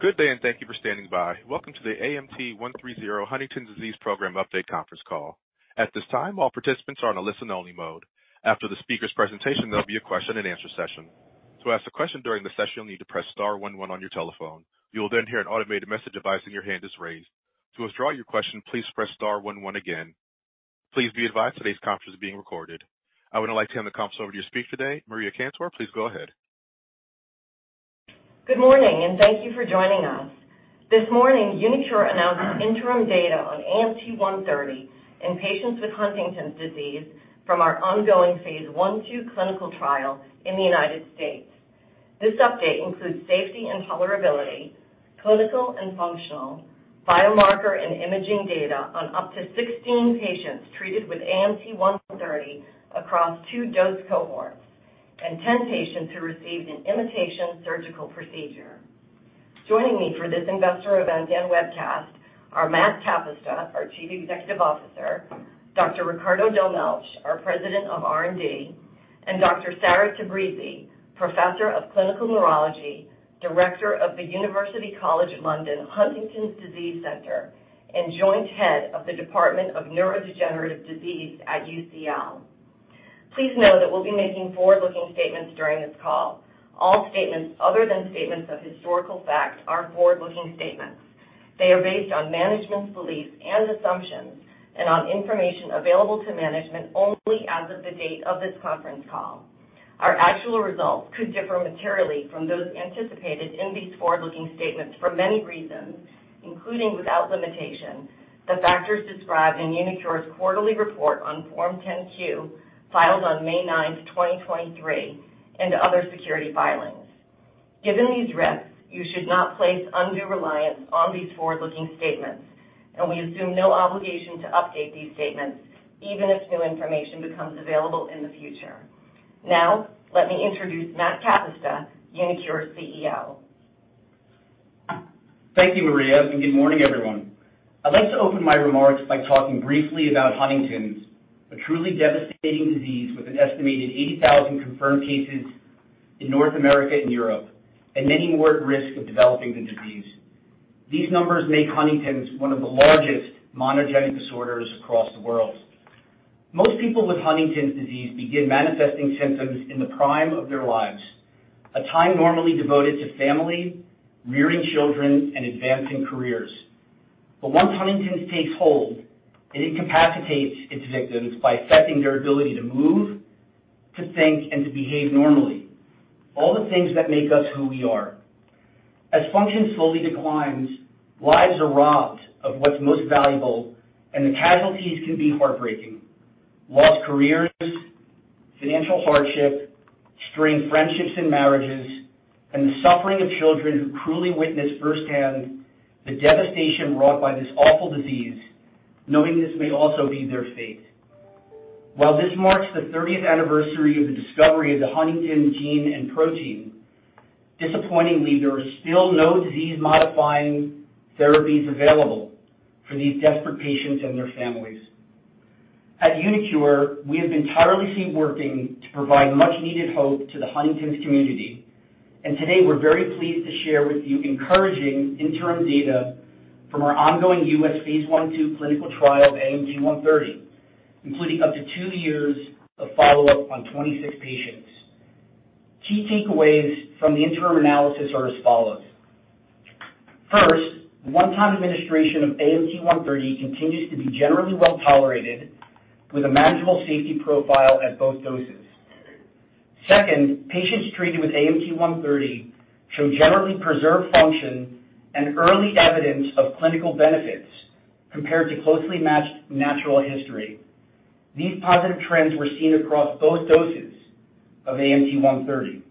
Good day, and thank you for standing by. Welcome to the AMT-130 Huntington's Disease Program Update Conference Call. At this time, all participants are on a listen-only mode. After the speaker's presentation, there will be a question-and-answer session. To ask a question during the session, you will need to press star one one on your telephone. You will then hear an automated message advising your hand is raised. To withdraw your question, please press star one one again. Please be advised, today's conference is being recorded. I would now like to hand the conference over to your speaker today, Maria Cantor. Please go ahead. Good morning, and thank you for joining us. This morning, uniQure announced interim data on AMT-130 in patients with Huntington's disease from our ongoing phase I/II clinical trial in the United States. This update includes safety and tolerability, clinical and functional, biomarker and imaging data on up to 16 patients treated with AMT-130 across two dose cohorts, and 10 patients who received an imitation surgical procedure. Joining me for this investor event and webcast are Matt Kapusta, our Chief Executive Officer, Dr. Ricardo Dolmetsch, our President of R&D, and Dr. Sarah Tabrizi, Professor of Clinical Neurology, Director of the University College London Huntington's Disease Centre, and Joint Head of the Department of Neurodegenerative Disease at UCL. Please know that we'll be making forward-looking statements during this call. All statements other than statements of historical fact are forward-looking statements. They are based on management's beliefs and assumptions and on information available to management only as of the date of this Conference Call. Our actual results could differ materially from those anticipated in these forward-looking statements for many reasons, including, without limitation, the factors described in uniQure's quarterly report on Form 10-Q, filed on May 9, 2023, and other security filings. Given these risks, you should not place undue reliance on these forward-looking statements, and we assume no obligation to update these statements, even if new information becomes available in the future. Now, let me introduce Matt Kapusta, uniQure's CEO. Thank you, Maria, and good morning, everyone. I'd like to open my remarks by talking briefly about Huntington's, a truly devastating disease with an estimated 80,000 confirmed cases in North America and Europe, and many more at risk of developing the disease. These numbers make Huntington's one of the largest monogenic disorders across the world. Most people with Huntington's disease begin manifesting symptoms in the prime of their lives, a time normally devoted to family, rearing children, and advancing careers. Once Huntington's takes hold, it incapacitates its victims by affecting their ability to move, to think, and to behave normally, all the things that make us who we are. As function slowly declines, lives are robbed of what's most valuable, and the casualties can be heartbreaking. Lost careers, financial hardship, strained friendships and marriages, and the suffering of children who cruelly witness firsthand the devastation wrought by this awful disease, knowing this may also be their fate. While this marks the 30th anniversary of the discovery of the huntingtin gene and protein, disappointingly, there are still no disease-modifying therapies available for these desperate patients and their families. At uniQure, we have been tirelessly working to provide much-needed hope to the Huntington's community, and today we're very pleased to share with you encouraging interim data from our ongoing U.S. Phase I/II clinical trial of AMT-130, including up to two years of follow-up on 26 patients. Key takeaways from the interim analysis are as follows: First, one-time administration of AMT-130 continues to be generally well-tolerated, with a manageable safety profile at both doses. Second, patients treated with AMT-130 show generally preserved function and early evidence of clinical benefits compared to closely matched natural history. These positive trends were seen across both doses of AMT-130.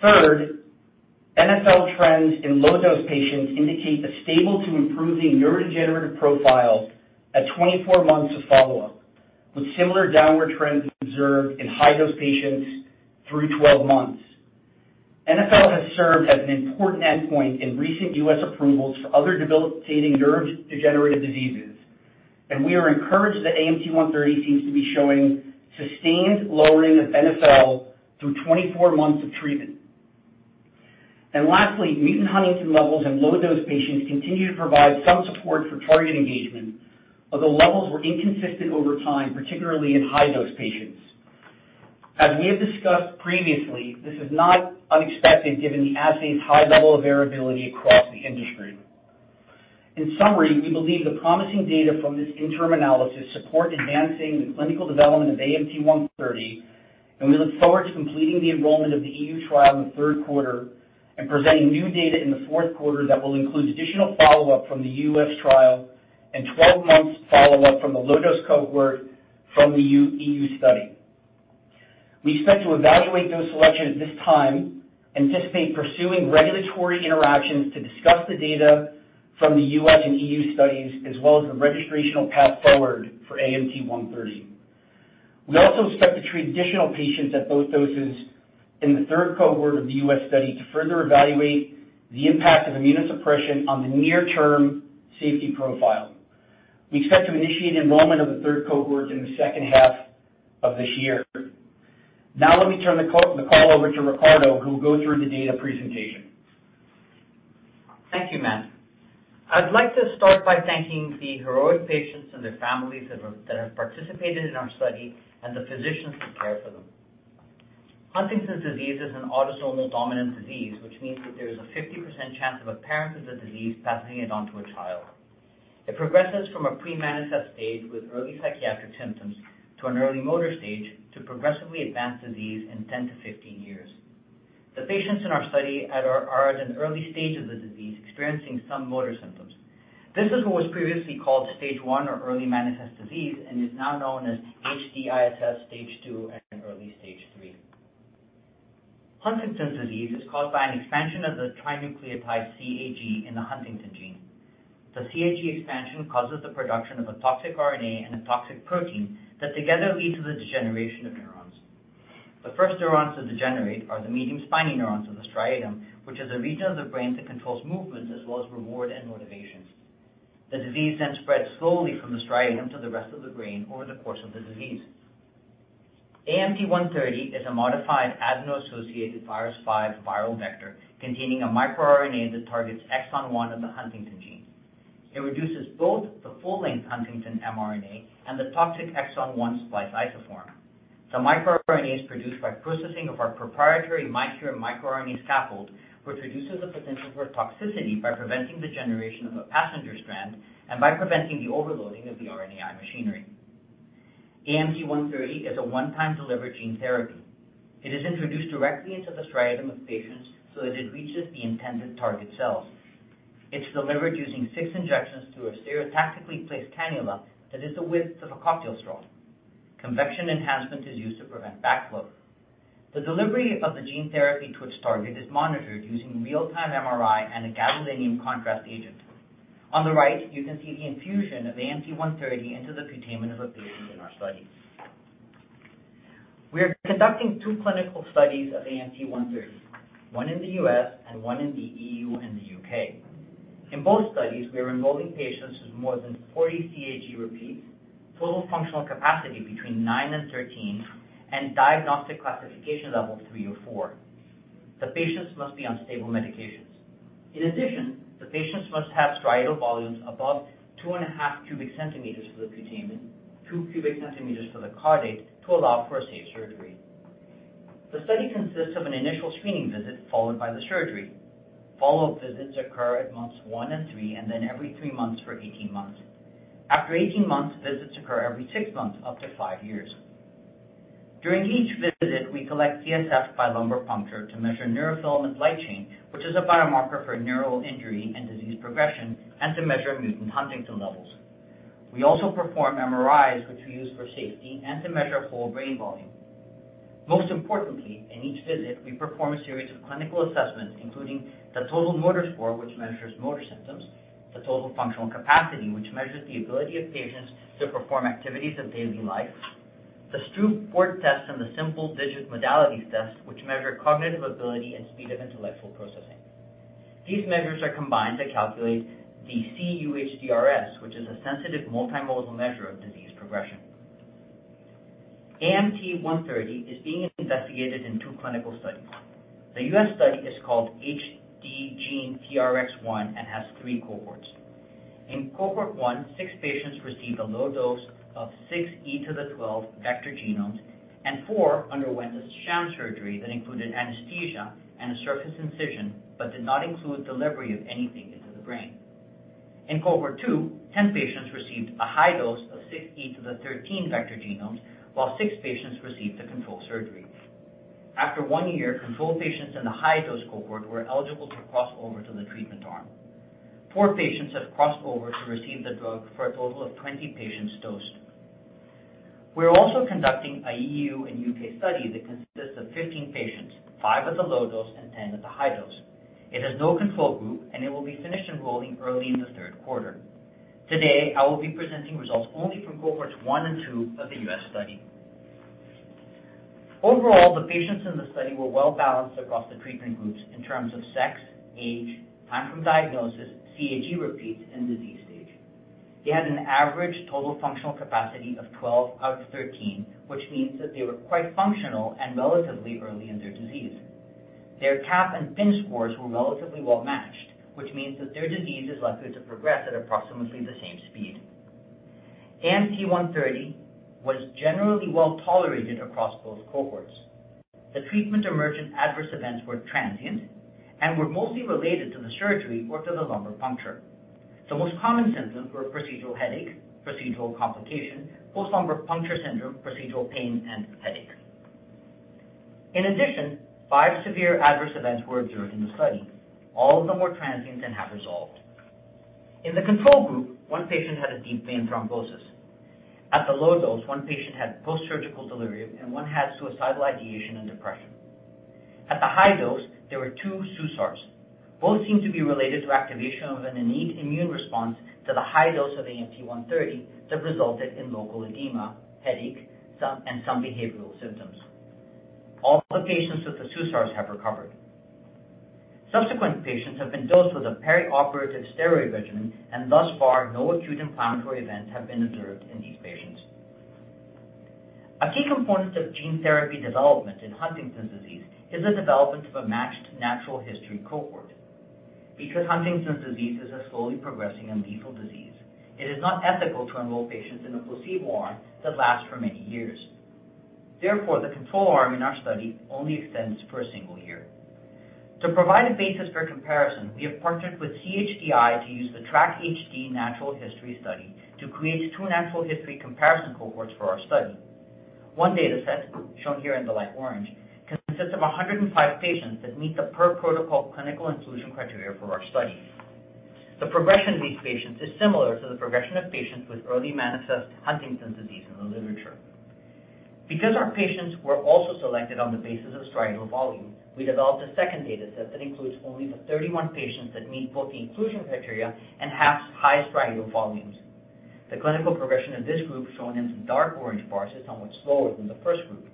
Third, NfL trends in low-dose patients indicate a stable to improving neurodegenerative profile at 24 months of follow-up, with similar downward trends observed in high-dose patients through 12 months. NfL has served as an important endpoint in recent U.S. approvals for other debilitating neurodegenerative diseases, and we are encouraged that AMT-130 seems to be showing sustained lowering of NfL through 24 months of treatment. Lastly, mutant huntingtin levels in low-dose patients continue to provide some support for target engagement, although levels were inconsistent over time, particularly in high-dose patients. As we have discussed previously, this is not unexpected, given the assay's high level of variability across the industry. In summary, we believe the promising data from this interim analysis support advancing the clinical development of AMT-130. We look forward to completing the enrollment of the EU trial in the third quarter and presenting new data in the fourth quarter that will include additional follow-up from the U.S. trial and 12 months follow-up from the low-dose cohort from the EU study. We expect to evaluate dose selection at this time, anticipate pursuing regulatory interactions to discuss the data from the U.S. and EU studies, as well as the registrational path forward for AMT-130. We also expect to treat additional patients at both doses in the third cohort of the U.S. study to further evaluate the impact of immunosuppression on the near-term safety profile. We expect to initiate enrollment of the third cohort in the second half of this year. Now let me turn the call over to Ricardo, who will go through the data presentation. Thank you, Matt. I'd like to start by thanking the heroic patients and their families that have participated in our study, and the physicians who care for them. Huntington's disease is an autosomal dominant disease, which means that there is a 50% chance of a parent with the disease passing it on to a child. It progresses from a pre-manifest stage with early psychiatric symptoms, to an early motor stage, to progressively advanced disease in 10 to 15 years. The patients in our study are at an early stage of the disease, experiencing some motor symptoms. This is what was previously called stage 1 or early manifest disease, and is now known as HD ISS stage 2 and early stage 3. Huntington's disease is caused by an expansion of the trinucleotide CAG in the huntingtin gene. The CAG expansion causes the production of a toxic RNA and a toxic protein that together lead to the degeneration of neurons. The first neurons to degenerate are the medium spiny neurons in the striatum, which is a region of the brain that controls movements as well as reward and motivation. The disease then spreads slowly from the striatum to the rest of the brain over the course of the disease. AMT-130 is a modified adeno-associated virus five viral vector, containing a microRNA that targets exon 1 of the huntingtin gene. It reduces both the full-length huntingtin mRNA and the toxic exon 1 splice isoform. The microRNA is produced by processing of our proprietary miQURE microRNA scaffold, which reduces the potential for toxicity by preventing the generation of a passenger strand and by preventing the overloading of the RNAi machinery. AMT-130 is a one-time delivery gene therapy. It is introduced directly into the striatum of patients so that it reaches the intended target cells. It's delivered using six injections through a stereotactically placed cannula that is the width of a cocktail straw. Convection enhancement is used to prevent backflow. The delivery of the gene therapy to its target is monitored using real-time MRI and a gadolinium contrast agent. On the right, you can see the infusion of AMT-130 into the putamen of a patient in our study. We are conducting two clinical studies of AMT-130, one in the U.S. and one in the E.U. and the U.K. In both studies, we are enrolling patients with more than 40 CAG repeats, Total Functional Capacity between 9 and 13, and Diagnostic Classification Level 3 or 4. The patients must be on stable medications. In addition, the patients must have striatal volumes above 2.5 cubic centimeters for the putamen, 2 cubic centimeters for the caudate, to allow for a safe surgery. The study consists of an initial screening visit followed by the surgery. Follow-up visits occur at months 1 and 3, and then every 3 months for 18 months. After 18 months, visits occur every 6 months, up to 5 years. During each visit, we collect CSF by lumbar puncture to measure neurofilament light chain, which is a biomarker for neural injury and disease progression, and to measure mutant huntingtin levels. We also perform MRIs, which we use for safety and to measure whole brain volume. Most importantly, in each visit, we perform a series of clinical assessments, including the Total Motor Score, which measures motor symptoms, the Total Functional Capacity, which measures the ability of patients to perform activities of daily life, the Stroop Color and Word Test, and the Symbol Digit Modalities Test, which measure cognitive ability and speed of intellectual processing. These measures are combined to calculate the cUHDRS, which is a sensitive multimodal measure of disease progression. AMT-130 is being investigated in two clinical studies. The U.S. study is called HD-GeneTRX-1 and has three cohorts. In cohort one, six patients received a low dose of 6 E to the 12 vector genomes, and four underwent a sham surgery that included anesthesia and a surface incision, but did not include delivery of anything into the brain. In cohort 2, 10 patients received a high dose of 6E13 vector genomes, while 6 patients received a control surgery. After 1 year, control patients in the high-dose cohort were eligible to cross over to the treatment arm. Four patients have crossed over to receive the drug, for a total of 20 patients dosed. We are also conducting a EU and U.K. study that consists of 15 patients, five at the low dose and 10 at the high dose. It has no control group, and it will be finished enrolling early in the third quarter. Today, I will be presenting results only from cohorts 1 and 2 of the U.S. study. Overall, the patients in the study were well-balanced across the treatment groups in terms of sex, age, time from diagnosis, CAG repeats, and disease stage. They had an average Total Functional Capacity of 12 out of 13, which means that they were quite functional and relatively early in their disease. Their CAP and PIN scores were relatively well-matched, which means that their disease is likely to progress at approximately the same speed. AMT-130 was generally well-tolerated across both cohorts. The treatment-emergent adverse events were transient and were mostly related to the surgery or to the lumbar puncture. The most common symptoms were procedural headache, procedural complication, post-lumbar puncture syndrome, procedural pain, and headache. In addition, five severe adverse events were observed in the study. All of them were transient and have resolved. In the control group, 1 patient had a deep vein thrombosis. At the low dose, one patient had post-surgical delirium and one had suicidal ideation and depression. At the high dose, there were 2 SUSARs. Both seemed to be related to activation of an innate immune response to the high dose of AMT-130 that resulted in local edema, headache, and some behavioral symptoms. All the patients with the SUSARs have recovered. Subsequent patients have been dosed with a perioperative steroid regimen, thus far, no acute inflammatory events have been observed in these patients. A key component of gene therapy development in Huntington's disease is the development of a matched natural history cohort. Because Huntington's disease is a slowly progressing and lethal disease, it is not ethical to enroll patients in a placebo arm that lasts for many years. Therefore, the control arm in our study only extends for a single year. To provide a basis for comparison, we have partnered with CHDI to use the TRACK-HD natural history study to create two natural history comparison cohorts for our study. One data set, shown here in the light orange, consists of 105 patients that meet the per-protocol clinical inclusion criteria for our study. The progression of these patients is similar to the progression of patients with early manifest Huntington's disease in the literature. Our patients were also selected on the basis of striatal volume, we developed a second data set that includes only the 31 patients that meet both the inclusion criteria and have high striatal volumes. The clinical progression of this group, shown in the dark orange bars, is somewhat slower than the first group.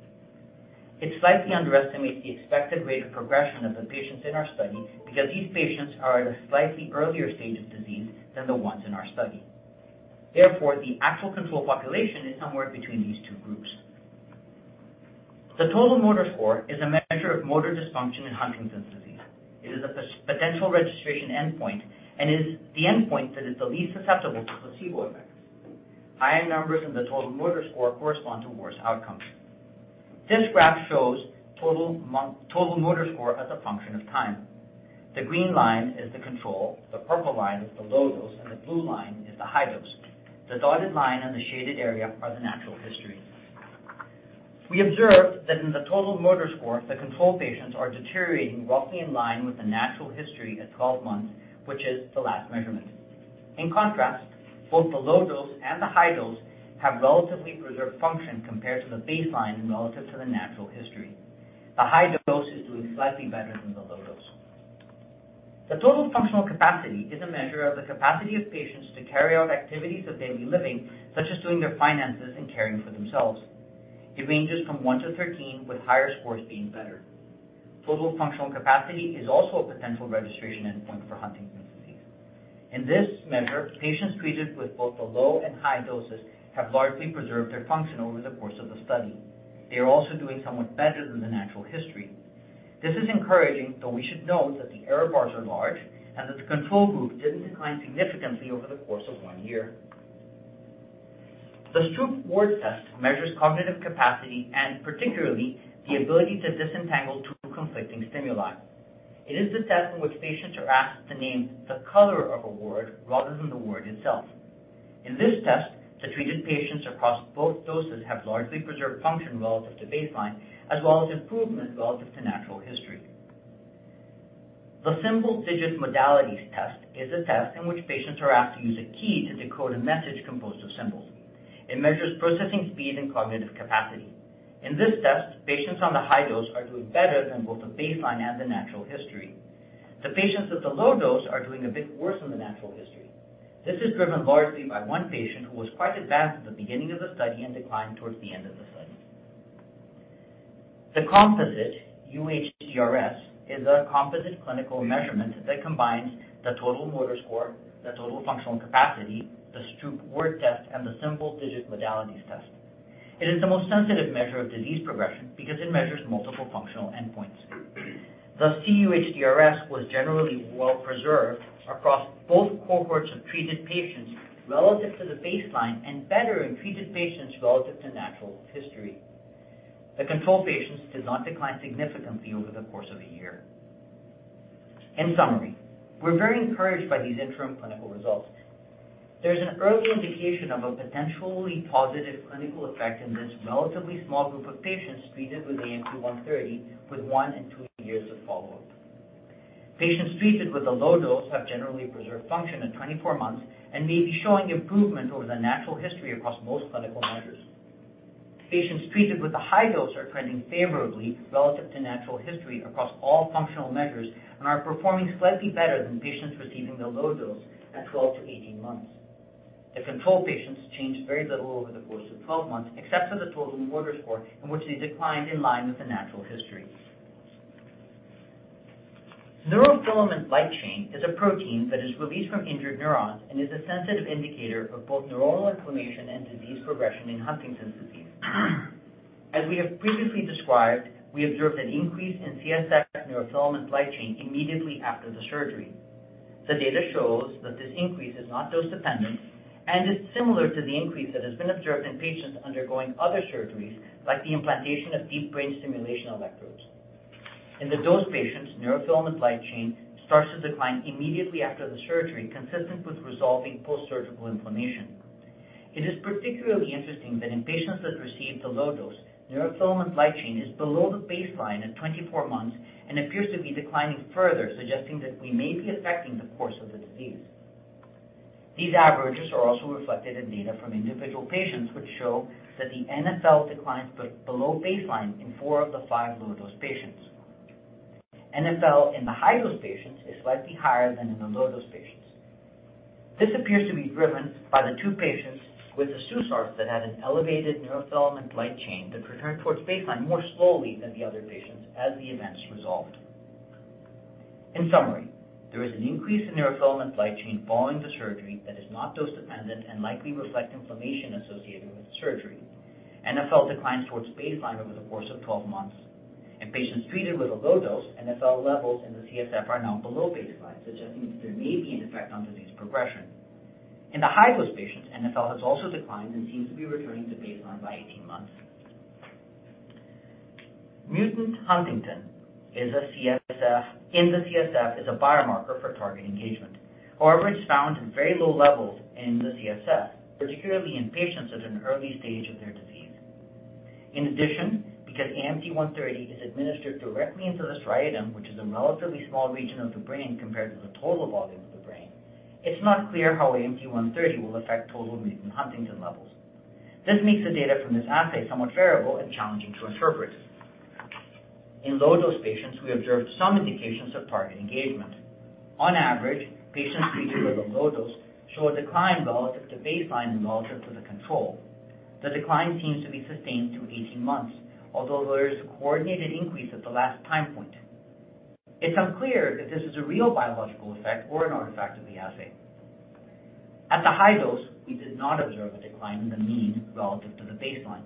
It slightly underestimates the expected rate of progression of the patients in our study because these patients are at a slightly earlier stage of disease than the ones in our study. Therefore, the actual control population is somewhere between these two groups. The Total Motor Score is a measure of motor dysfunction in Huntington's disease. It is a potential registration endpoint and is the endpoint that is the least susceptible to placebo effects. Higher numbers in the Total Motor Score correspond to worse outcomes. This graph shows Total Motor Score as a function of time. The green line is the control, the purple line is the low dose, and the blue line is the high dose. The dotted line and the shaded area are the natural history. We observed that in the Total Motor Score, the control patients are deteriorating roughly in line with the natural history at 12 months, which is the last measurement. In contrast, both the low dose and the high dose have relatively preserved function compared to the baseline and relative to the natural history. The high dose is doing slightly better than the low dose. The Total Functional Capacity is a measure of the capacity of patients to carry out activities of daily living, such as doing their finances and caring for themselves. It ranges from 1 to 13, with higher scores being better. Total Functional Capacity is also a potential registration endpoint for Huntington's disease. In this measure, patients treated with both the low and high doses have largely preserved their function over the course of the study. They are also doing somewhat better than the natural history. This is encouraging, though we should note that the error bars are large and that the control group didn't decline significantly over the course of one year. The Stroop Word Test measures cognitive capacity and particularly, the ability to disentangle two conflicting stimuli. It is the test in which patients are asked to name the color of a word rather than the word itself. In this test, the treated patients across both doses have largely preserved function relative to baseline, as well as improvement relative to natural history. The Symbol Digit Modalities Test is a test in which patients are asked to use a key to decode a message composed of symbols. It measures processing speed and cognitive capacity. In this test, patients on the high dose are doing better than both the baseline and the natural history. The patients with the low dose are doing a bit worse than the natural history. This is driven largely by one patient, who was quite advanced at the beginning of the study and declined towards the end of the study. The composite UHDRS is a composite clinical measurement that combines the Total Motor Score, the Total Functional Capacity, the Stroop Word Test, and the Symbol Digit Modalities Test. It is the most sensitive measure of disease progression because it measures multiple functional endpoints. The cUHDRS was generally well-preserved across both cohorts of treated patients relative to the baseline and better in treated patients relative to natural history. The control patients did not decline significantly over the course of a year. In summary, we're very encouraged by these interim clinical results. There's an early indication of a potentially positive clinical effect in this relatively small group of patients treated with AMT-130, with one and two years of follow-up. Patients treated with a low dose have generally preserved function at 24 months and may be showing improvement over the natural history across most clinical measures. Patients treated with a high dose are trending favorably relative to natural history across all functional measures and are performing slightly better than patients receiving the low dose at 12 to 18 months. The control patients changed very little over the course of 12 months, except for the Total Motor Score, in which they declined in line with the natural history. Neurofilament light chain is a protein that is released from injured neurons and is a sensitive indicator of both neuronal inflammation and disease progression in Huntington's disease. As we have previously described, we observed an increase in CSF neurofilament light chain immediately after the surgery. The data shows that this increase is not dose-dependent and is similar to the increase that has been observed in patients undergoing other surgeries, like the implantation of deep brain stimulation electrodes. In the dose patients, neurofilament light chain starts to decline immediately after the surgery, consistent with resolving post-surgical inflammation. It is particularly interesting that in patients that received the low dose, neurofilament light chain is below the baseline at 24 months and appears to be declining further, suggesting that we may be affecting the course of the disease. These averages are also reflected in data from individual patients, which show that the NfL declines below baseline in four of the five low-dose patients. NfL in the high-dose patients is slightly higher than in the low-dose patients. This appears to be driven by the 2 patients with a SUSAR that had an elevated neurofilament light chain that returned towards baseline more slowly than the other patients as the events resolved. In summary, there is an increase in neurofilament light chain following the surgery that is not dose-dependent and likely reflect inflammation associated with the surgery. NfL declines towards baseline over the course of 12 months. In patients treated with a low dose, NfL levels in the CSF are now below baseline, suggesting there may be an effect on disease progression. In the high-dose patients, NfL has also declined and seems to be returning to baseline by 18 months. Mutant huntingtin in the CSF, is a biomarker for target engagement. It's found in very low levels in the CSF, particularly in patients at an early stage of their disease. Because AMT-130 is administered directly into the striatum, which is a relatively small region of the brain compared to the total volume of the brain, it's not clear how AMT-130 will affect total mutant huntingtin levels. This makes the data from this assay somewhat variable and challenging to interpret. In low-dose patients, we observed some indications of target engagement. On average, patients treated with a low dose show a decline relative to baseline and relative to the control. The decline seems to be sustained through 18 months, although there is a coordinated increase at the last time point. It's unclear if this is a real biological effect or an artifact of the assay. At the high dose, we did not observe a decline in the mean relative to the baseline.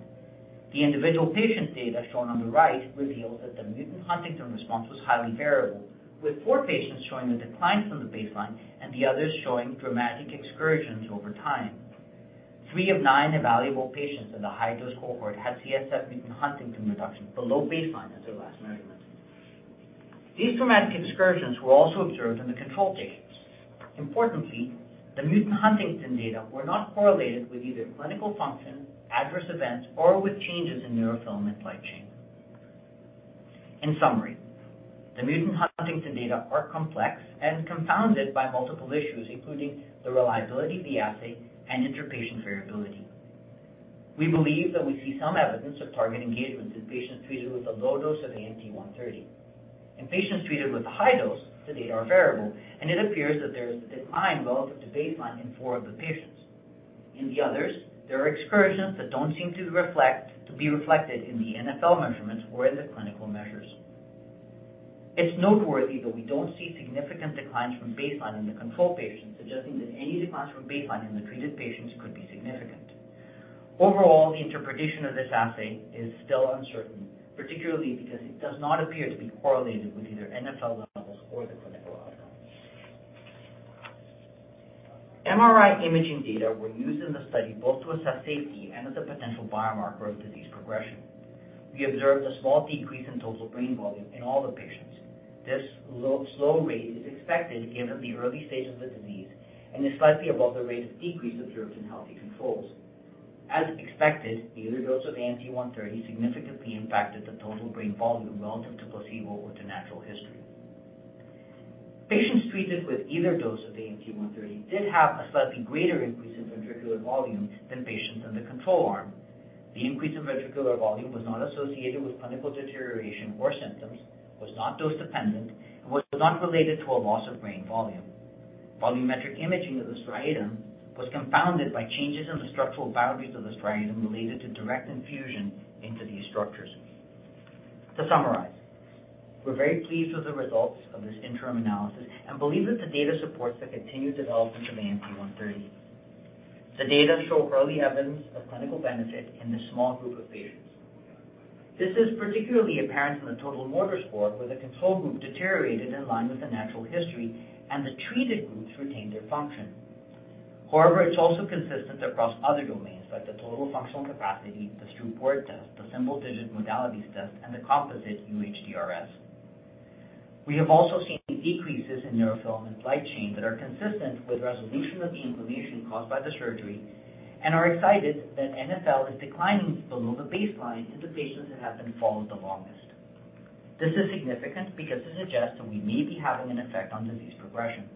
The individual patient data, shown on the right, reveals that the mutant huntingtin response was highly variable, with four patients showing a decline from the baseline and the others showing dramatic excursions over time. 3 of 9 evaluable patients in the high-dose cohort had CSF mutant huntingtin reduction below baseline as their last measurement. These dramatic excursions were also observed in the control patients. Importantly, the mutant huntingtin data were not correlated with either clinical function, adverse events, or with changes in neurofilament light chain. In summary, the mutant huntingtin data are complex and compounded by multiple issues, including the reliability of the assay and inter-patient variability. We believe that we see some evidence of target engagement in patients treated with a low dose of AMT-130. In patients treated with a high dose, the data are variable, and it appears that there is a decline relative to baseline in four of the patients. In the others, there are excursions that don't seem to be reflected in the NfL measurements or in the clinical measures. It's noteworthy that we don't see significant declines from baseline in the control patients, suggesting that any declines from baseline in the treated patients could be significant. Overall, the interpretation of this assay is still uncertain, particularly because it does not appear to be correlated with either NfL levels or the clinical outcomes. MRI imaging data were used in the study, both to assess safety and as a potential biomarker of disease progression. We observed a small decrease in total brain volume in all the patients. This low, slow rate is expected given the early stage of the disease and is slightly above the rate of decrease observed in healthy controls. As expected, neither dose of AMT-130 significantly impacted the total brain volume relative to placebo or to natural history. Patients treated with either dose of AMT-130 did have a slightly greater increase in ventricular volume than patients in the control arm. The increase in ventricular volume was not associated with clinical deterioration or symptoms, was not dose dependent, and was not related to a loss of brain volume. Volumetric imaging of the striatum was confounded by changes in the structural boundaries of the striatum related to direct infusion into these structures. We're very pleased with the results of this interim analysis and believe that the data supports the continued development of AMT-130. The data show early evidence of clinical benefit in this small group of patients. This is particularly apparent in the Total Motor Score, where the control group deteriorated in line with the natural history and the treated groups retained their function. It's also consistent across other domains, like the Total Functional Capacity, the Stroop Word Test, the Symbol Digit Modalities Test, and the Composite UHDRS. We have also seen decreases in neurofilament light chain that are consistent with resolution of the inflammation caused by the surgery and are excited that NfL is declining below the baseline in the patients that have been followed the longest. This is significant because it suggests that we may be having an effect on disease progression.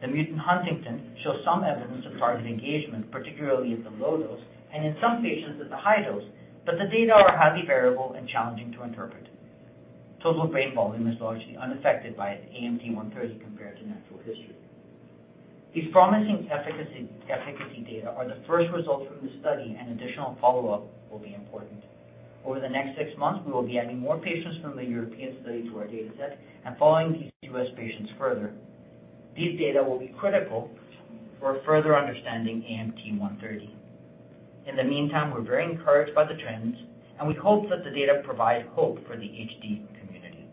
The mutant huntingtin shows some evidence of target engagement, particularly at the low dose and in some patients at the high dose, but the data are highly variable and challenging to interpret. Total brain volume is largely unaffected by AMT-130 compared to natural history. These promising efficacy data are the first results from the study, and additional follow-up will be important. Over the next six months, we will be adding more patients from the European study to our data set and following these U.S. patients further. These data will be critical for further understanding AMT-130. In the meantime, we're very encouraged by the trends, and we hope that the data provide hope for the HD community.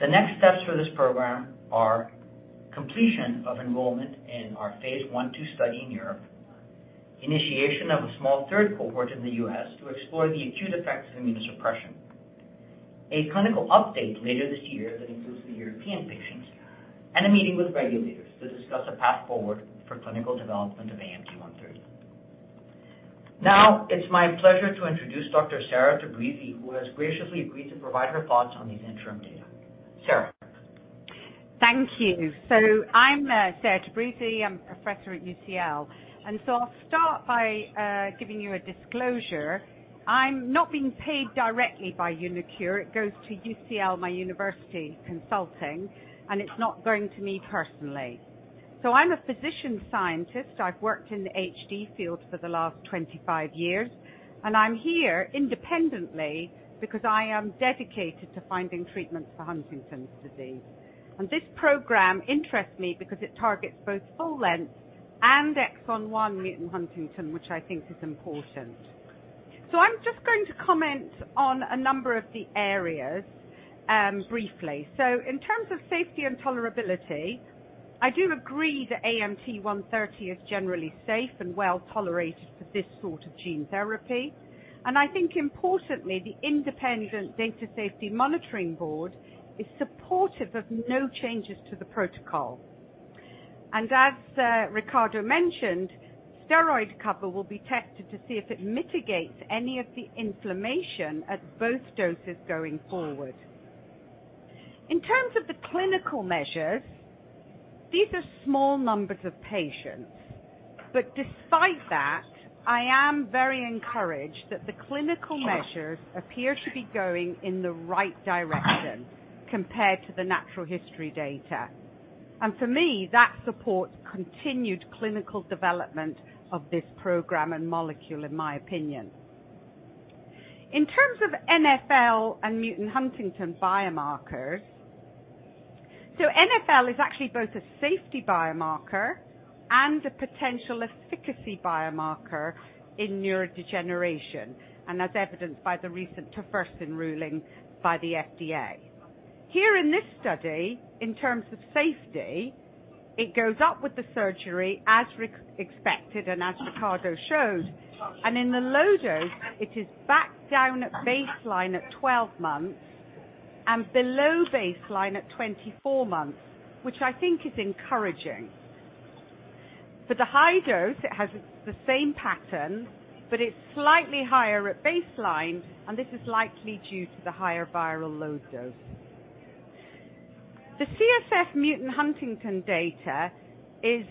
The next steps for this program are completion of enrollment in our phase I/II study in Europe, initiation of a small 3rd cohort in the U.S. to explore the acute effects of immunosuppression, a clinical update later this year that includes the European patients, and a meeting with regulators to discuss a path forward for clinical development of AMT-130. It's my pleasure to introduce Dr. Sarah Tabrizi, who has graciously agreed to provide her thoughts on these interim data. Sarah? Thank you. I'm Sarah Tabrizi. I'm a professor at UCL, I'll start by giving you a disclosure. I'm not being paid directly by uniQure. It goes to UCL, my university, consulting, it's not going to me personally. I'm a physician scientist. I've worked in the HD field for the last 25 years, I'm here independently because I am dedicated to finding treatments for Huntington's disease. This program interests me because it targets both full-length and exon 1 mutant huntingtin, which I think is important. I'm just going to comment on a number of the areas briefly. In terms of safety and tolerability, I do agree that AMT-130 is generally safe and well tolerated for this sort of gene therapy. I think importantly, the independent data safety monitoring board is supportive of no changes to the protocol. As Ricardo mentioned, steroid cover will be tested to see if it mitigates any of the inflammation at both doses going forward. In terms of the clinical measures, these are small numbers of patients, but despite that, I am very encouraged that the clinical measures appear to be going in the right direction compared to the natural history data. For me, that supports continued clinical development of this program and molecule, in my opinion. In terms of NfL and mutant huntingtin biomarkers, NfL is actually both a safety biomarker and a potential efficacy biomarker in neurodegeneration, as evidenced by the recent Tofersen ruling by the FDA. Here in this study, in terms of safety, it goes up with the surgery as expected and as Ricardo showed, and in the low dose, it is back down at baseline at 12 months and below baseline at 24 months, which I think is encouraging. For the high dose, it has the same pattern, but it's slightly higher at baseline, and this is likely due to the higher viral load dose. The CSF mutant huntingtin data is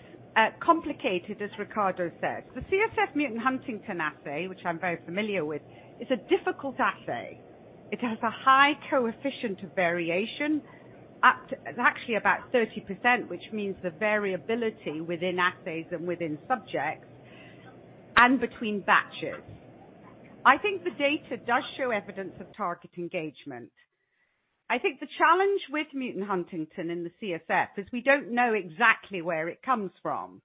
complicated, as Ricardo said. The CSF mutant huntingtin assay, which I'm very familiar with, is a difficult assay. It has a high coefficient of variation, actually about 30%, which means the variability within assays and within subjects and between batches. I think the data does show evidence of target engagement. I think the challenge with mutant huntingtin in the CSF is we don't know exactly where it comes from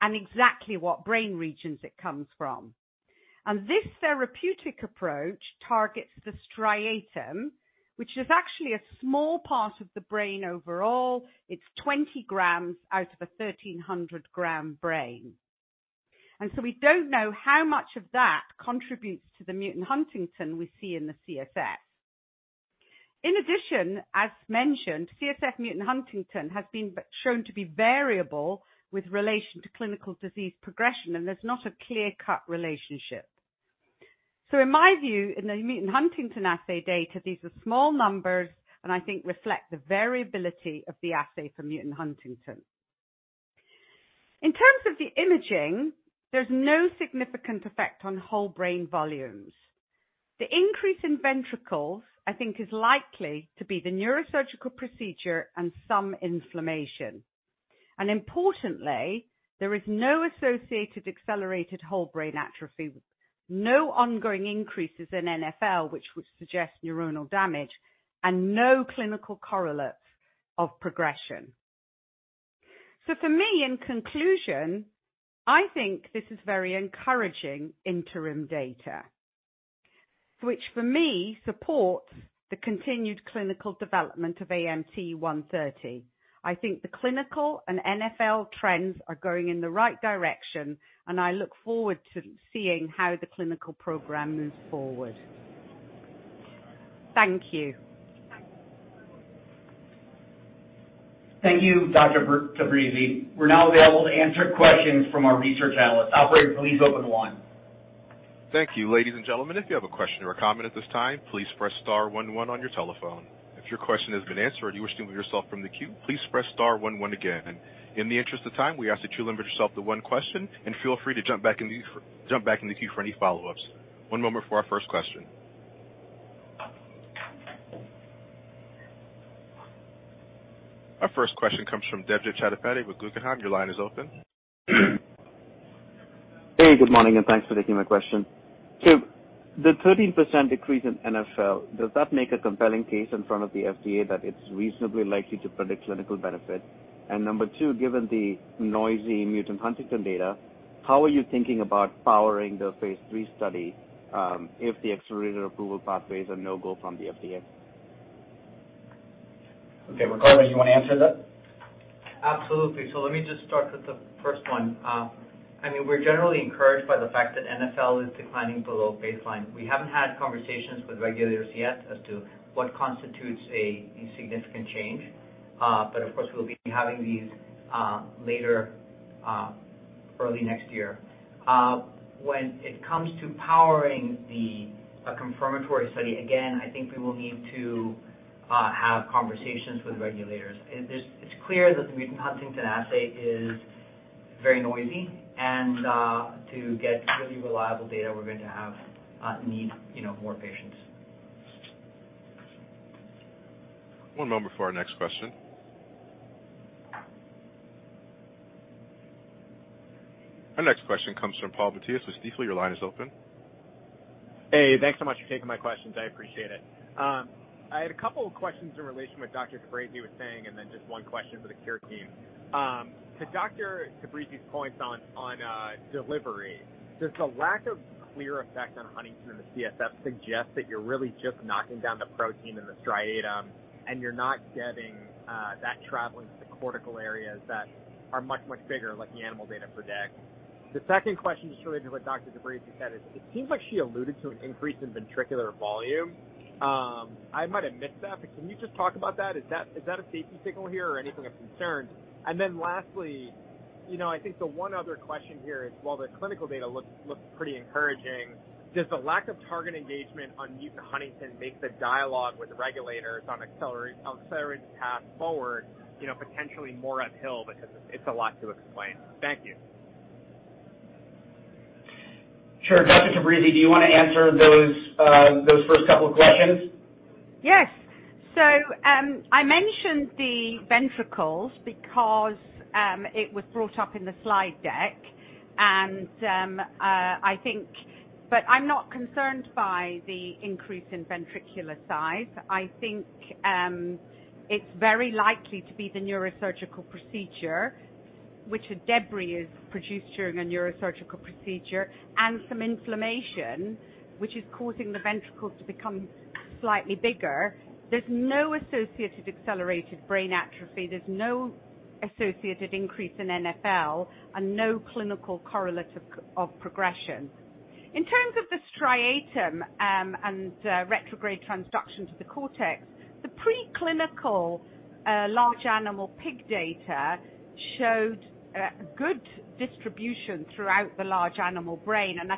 and exactly what brain regions it comes from. This therapeutic approach targets the striatum, which is actually a small part of the brain overall. It's 20 grams out of a 1,300-gram brain. We don't know how much of that contributes to the mutant huntingtin we see in the CSF. As mentioned, CSF mutant huntingtin has been shown to be variable with relation to clinical disease progression, and there's not a clear-cut relationship. In my view, in the mutant huntingtin assay data, these are small numbers and I think reflect the variability of the assay for mutant huntingtin. In terms of the imaging, there's no significant effect on whole brain volumes. The increase in ventricles, I think is likely to be the neurosurgical procedure and some inflammation. Importantly, there is no associated accelerated whole brain atrophy, no ongoing increases in NfL, which would suggest neuronal damage, and no clinical correlates of progression. For me, in conclusion, I think this is very encouraging interim data, which for me, supports the continued clinical development of AMT-130. I think the clinical and NfL trends are going in the right direction, and I look forward to seeing how the clinical program moves forward. Thank you. Thank you, Dr. Tabrizi. We're now available to answer questions from our research analysts. Operator, please open one. Thank you. Ladies and gentlemen, if you have a question or a comment at this time, please press star one one on your telephone. If your question has been answered and you wish to remove yourself from the queue, please press star one one again. In the interest of time, we ask that you limit yourself to one question and feel free to jump back in the queue for any follow-ups. One moment for our first question. Our first question comes from Debjit Chattopadhyay with Guggenheim. Your line is open. Hey, good morning. Thanks for taking my question. The 13% decrease in NfL, does that make a compelling case in front of the FDA that it's reasonably likely to predict clinical benefit? Number 2, given the noisy mutant huntingtin data, how are you thinking about powering the phase III study, if the accelerated approval pathways are no-go from the FDA? Okay, Ricardo, do you want to answer that? Absolutely. Let me just start with the first one. I mean, we're generally encouraged by the fact that NfL is declining below baseline. We haven't had conversations with regulators yet as to what constitutes a significant change. Of course, we'll be having these later early next year. When it comes to powering the a confirmatory study, again, I think we will need to have conversations with regulators. It's clear that the mutant huntingtin assay is very noisy and to get really reliable data, we're going to have need, you know, more patients. One moment before our next question. Our next question comes from Paul Matteis with Stifel. Your line is open. Hey, thanks so much for taking my questions. I appreciate it. I had a couple of questions in relation to what Dr. Tabrizi was saying, just one question for the Care team. To Dr. Tabrizi's points on delivery, does the lack of clear effect on Huntington in the CSF suggest that you're really just knocking down the protein in the striatum, you're not getting that traveling to the cortical areas that are much, much bigger, like the animal data predict? The second question is related to what Dr. Tabrizi said is, it seems like she alluded to an increase in ventricular volume. I might have missed that, but can you just talk about that? Is that a safety signal here or anything of concern? Lastly, you know, I think the one other question here is, while the clinical data looks pretty encouraging, does the lack of target engagement on mutant huntingtin make the dialogue with the regulators on accelerated path forward, you know, potentially more uphill because it's a lot to explain? Thank you. Sure. Dr. Tabrizi, do you want to answer those first couple of questions? Yes. I mentioned the ventricles because it was brought up in the slide deck, and I'm not concerned by the increase in ventricular size. I think it's very likely to be the neurosurgical procedure, which a debris is produced during a neurosurgical procedure, and some inflammation, which is causing the ventricles to become slightly bigger. There's no associated accelerated brain atrophy, there's no associated increase in NfL, and no clinical correlative of progression. In terms of the striatum, and retrograde transduction to the cortex, the preclinical large animal pig data showed a good distribution throughout the large animal brain, and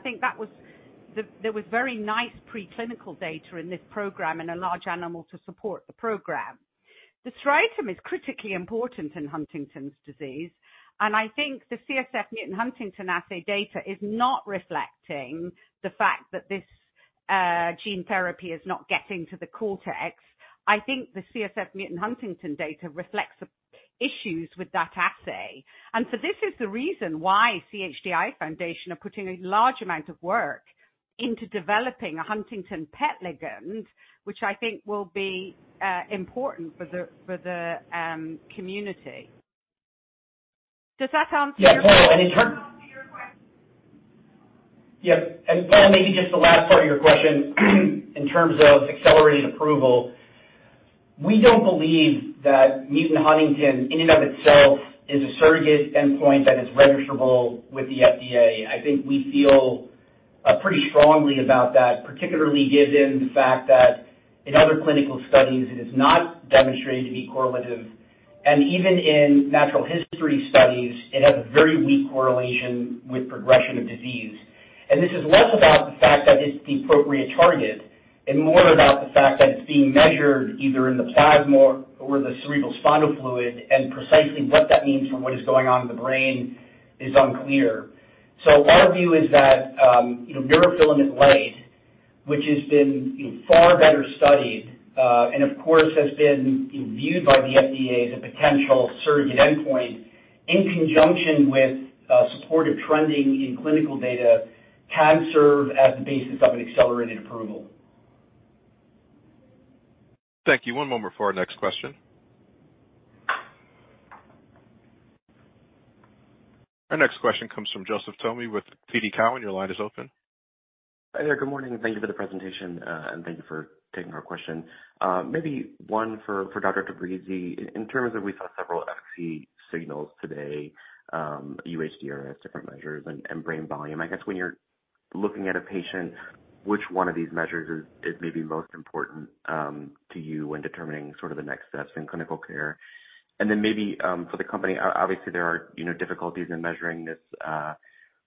there was very nice preclinical data in this program in a large animal to support the program. The striatum is critically important in Huntington's disease. I think the CSF mutant huntingtin assay data is not reflecting the fact that this gene therapy is not getting to the cortex. I think the CSF mutant huntingtin data reflects issues with that assay. This is the reason why CHDI Foundation are putting a large amount of work into developing a huntingtin PET ligand, which I think will be important for the, for the community. Does that answer your question? Yeah, totally. Answer your question. Yeah. Well, maybe just the last part of your question, in terms of accelerating approval, we don't believe that mutant huntingtin, in and of itself, is a surrogate endpoint that is registrable with the FDA. I think we feel pretty strongly about that, particularly given the fact that in other clinical studies, it has not demonstrated to be correlative. Even in natural history studies, it has a very weak correlation with progression of disease. This is less about the fact that it's the appropriate target, and more about the fact that it's being measured either in the plasma or the cerebrospinal fluid, and precisely what that means for what is going on in the brain is unclear. Our view is that, you know, neurofilament light, which has been far better studied, and of course has been viewed by the FDA as a potential surrogate endpoint, in conjunction with, supportive trending in clinical data, can serve as the basis of an accelerated approval. Thank you. One moment for our next question. Our next question comes from Joseph Thome with TD Cowen. Your line is open. Hi there. Good morning, and thank you for the presentation, and thank you for taking our question. Maybe one for Dr. Tabrizi. In terms of we saw several efficacy signals today, UHDRS, different measures and brain volume. I guess when you're looking at a patient, which one of these measures is maybe most important to you when determining sort of the next steps in clinical care? Then maybe for the company, obviously, there are, you know, difficulties in measuring this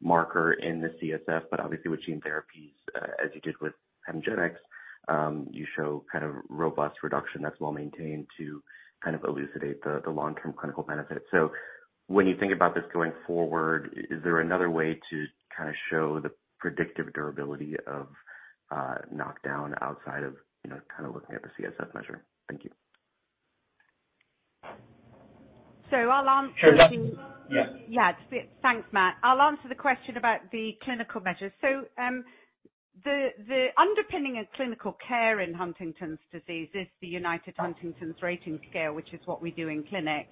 marker in the CSF, but obviously with gene therapies, as you did with HEMGENIX, you show kind of robust reduction that's well maintained to kind of elucidate the long-term clinical benefit. When you think about this going forward, is there another way to kind of show the predictive durability of knockdown outside of, you know, kind of looking at the CSF measure? Thank you. I'll answer. Sure. Yeah. Yeah. Thanks, Matt. I'll answer the question about the clinical measures. The underpinning of clinical care in Huntington's disease is the Unified Huntington's Disease Rating Scale, which is what we do in clinic,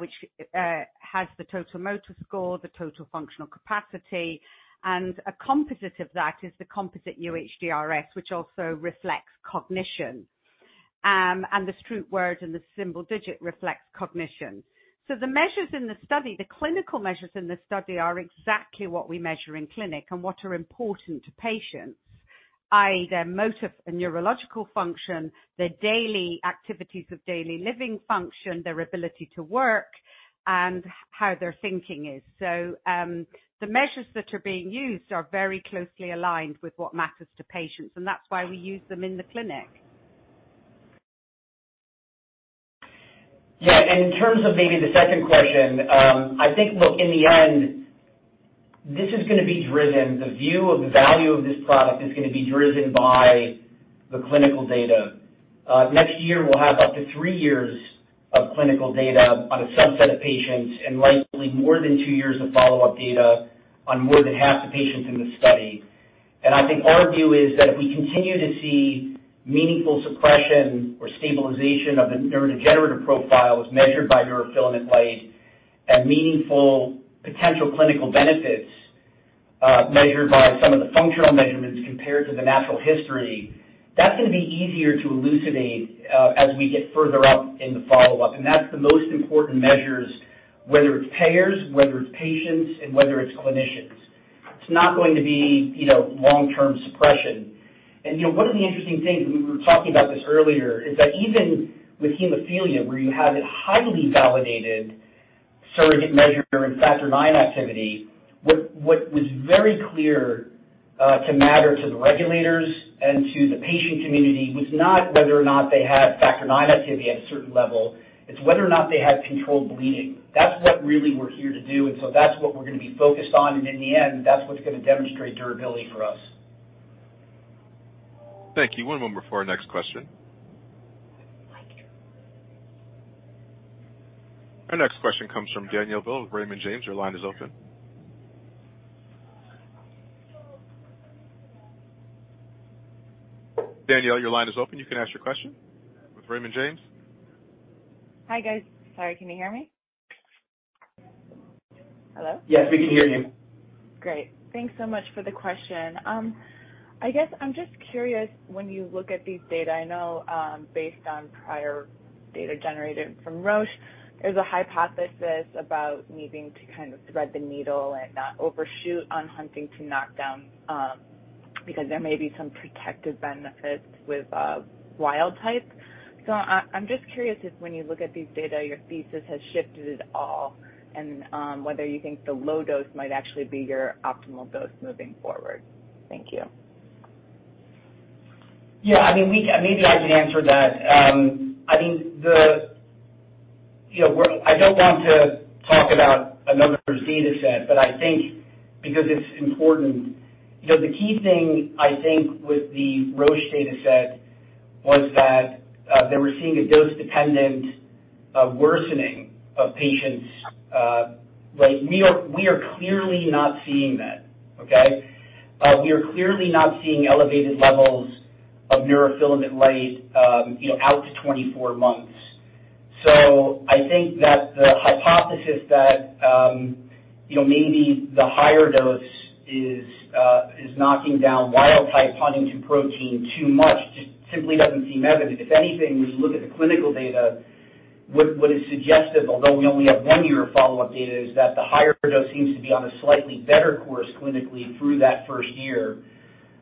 which has the Total Motor Score, the Total Functional Capacity, and a composite of that is the Composite UHDRS, which also reflects cognition. The Stroop word and the Symbol Digit reflects cognition. The measures in the study, the clinical measures in the study, are exactly what we measure in clinic and what are important to patients, i.e., their motor and neurological function, their daily activities of daily living function, their ability to work, and how their thinking is. The measures that are being used are very closely aligned with what matters to patients, and that's why we use them in the clinic. Yeah, in terms of maybe the second question, I think, look, in the end, this is going to be driven, the view of the value of this product is going to be driven by the clinical data. Next year, we'll have up to thtree years of clinical data on a subset of patients and likely more than two years of follow-up data on more than half the patients in the study. I think our view is that if we continue to see meaningful suppression or stabilization of the neurodegenerative profile as measured by neurofilament light and meaningful potential clinical benefits, measured by some of the functional measurements compared to the natural history, that's going to be easier to elucidate as we get further out in the follow-up. That's the most important measures, whether it's payers, whether it's patients, and whether it's clinicians. It's not going to be, you know, long-term suppression. You know, one of the interesting things, and we were talking about this earlier, is that even with hemophilia, where you have a highly validated surrogate measure in factor IX activity, what was very clear to matter to the regulators and to the patient community was not whether or not they had factor IX activity at a certain level, it's whether or not they had controlled bleeding. That's what really we're here to do, that's what we're going to be focused on, and in the end, that's what's going to demonstrate durability for us. Thank you. One moment before our next question. Our next question comes from Danielle Brill with Raymond James. Your line is open. Danielle, your line is open. You can ask your question with Raymond James. Hi, guys. Sorry, can you hear me? Hello? Yes, we can hear you. Great. Thanks so much for the question. I guess I'm just curious, when you look at these data, I know, based on prior data generated from Roche, there's a hypothesis about needing to kind of thread the needle and not overshoot on huntingtin to knock down, because there may be some protective benefits with wild type. I'm just curious if when you look at these data, your thesis has shifted at all, and whether you think the low dose might actually be your optimal dose moving forward. Thank you. Yeah, I mean, maybe I can answer that. I think, you know, I don't want to talk about another data set, but I think because it's important. You know, the key thing, I think, with the Roche data set was that they were seeing a dose-dependent worsening of patients. Like, we are clearly not seeing that, okay? We are clearly not seeing elevated levels of neurofilament light, you know, out to 24 months. I think that the hypothesis that, you know, maybe the higher dose is knocking down wild type huntingtin protein too much, just simply doesn't seem evident. If anything, when you look at the clinical data, what is suggestive, although we only have one year of follow-up data, is that the higher dose seems to be on a slightly better course clinically through that first year.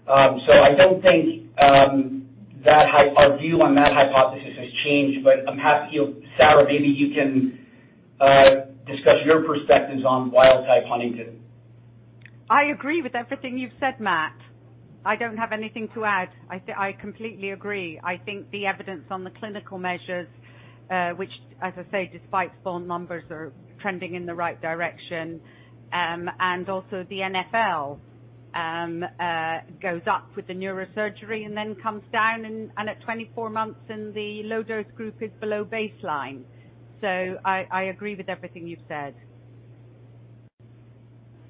I don't think that our view on that hypothesis has changed, but I'm happy, you know, Sarah, maybe you can discuss your perspectives on wild type huntingtin. I agree with everything you've said, Matt. I don't have anything to add. I say I completely agree. I think the evidence on the clinical measures, which, as I say, despite small numbers, are trending in the right direction, and also the NfL, goes up with the neurosurgery and then comes down and at 24 months in the low dose group is below baseline. I agree with everything you've said.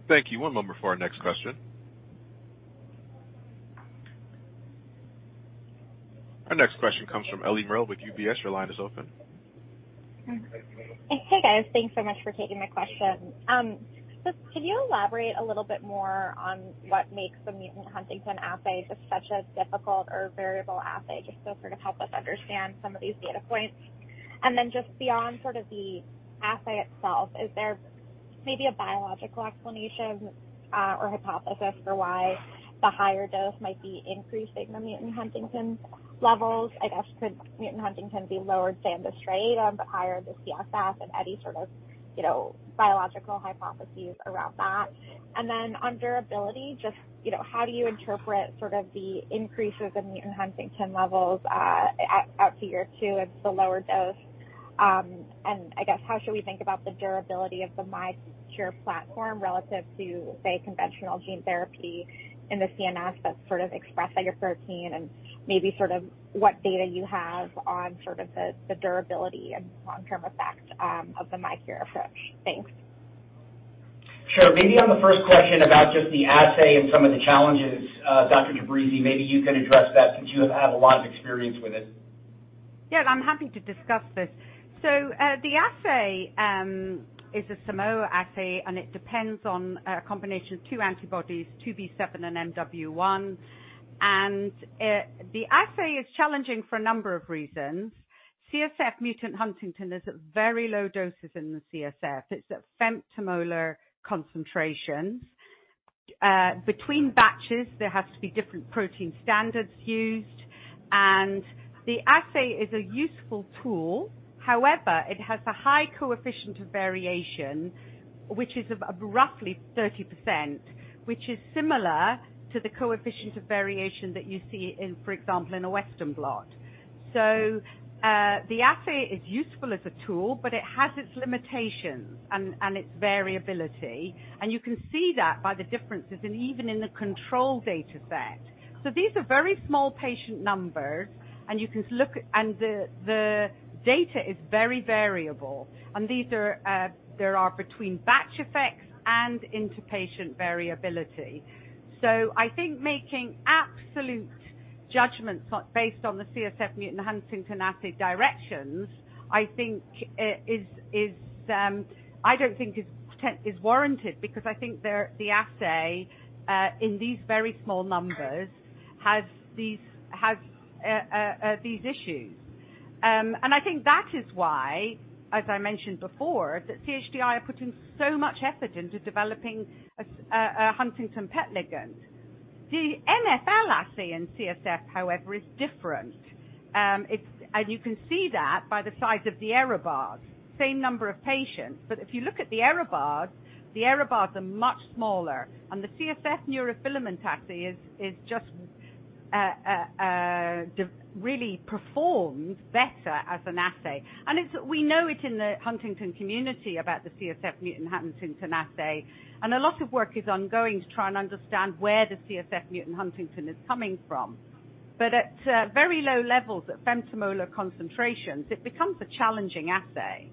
Thank you. One moment before our next question. Our next question comes from Ellie Merle with UBS. Your line is open. Hey, guys. Thanks so much for taking my question. Can you elaborate a little bit more on what makes the mutant huntingtin assay such a difficult or variable assay, just to sort of help us understand some of these data points? Just beyond sort of the assay itself, is there maybe a biological explanation or hypothesis for why the higher dose might be increasing the mutant huntingtin levels? I guess, could mutant huntingtin be lowered, say, in the striatum, but higher the CSF and any sort of, you know, biological hypotheses around that? On durability, just, you know, how do you interpret sort of the increases in mutant huntingtin levels, at, out to year two of the lower dose? I guess, how should we think about the durability of the miQURE platform relative to, say, conventional gene therapy in the CNS that's sort of expressed at your protein and maybe sort of what data you have on sort of the durability and long-term effect, of the miQURE approach? Thanks. Sure. Maybe on the first question about just the assay and some of the challenges, Dr. Tabrizi, maybe you could address that since you have had a lot of experience with it. Yeah, I'm happy to discuss this. The assay is a SIMOA assay. It depends on a combination of two antibodies, 2B7 and MW1. The assay is challenging for a number of reasons. CSF mutant huntingtin is at very low doses in the CSF. It's at femtomolar concentrations. Between batches, there has to be different protein standards used. The assay is a useful tool. However, it has a high coefficient of variation, which is roughly 30%, which is similar to the coefficient of variation that you see in, for example, in a Western blot. The assay is useful as a tool, but it has its limitations and its variability, and you can see that by the differences and even in the control data set. These are very small patient numbers, the data is very variable, there are between batch effects and inter-patient variability. I think making absolute judgments based on the CSF mutant huntingtin assay directions, I think, is, I don't think is warranted because I think there, the assay, in these very small numbers, has these issues. I think that is why, as I mentioned before, that CHDI are putting so much effort into developing a huntingtin PET ligand. The NFL assay in CSF, however, is different. It's, you can see that by the size of the error bars. Same number of patients. If you look at the error bars, the error bars are much smaller, and the CSF neurofilament assay is just really performed better as an assay. It's, we know it in the Huntington community about the CSF mutant huntingtin assay. A lot of work is ongoing to try and understand where the CSF mutant huntingtin is coming from. At very low levels, at femtomolar concentrations, it becomes a challenging assay.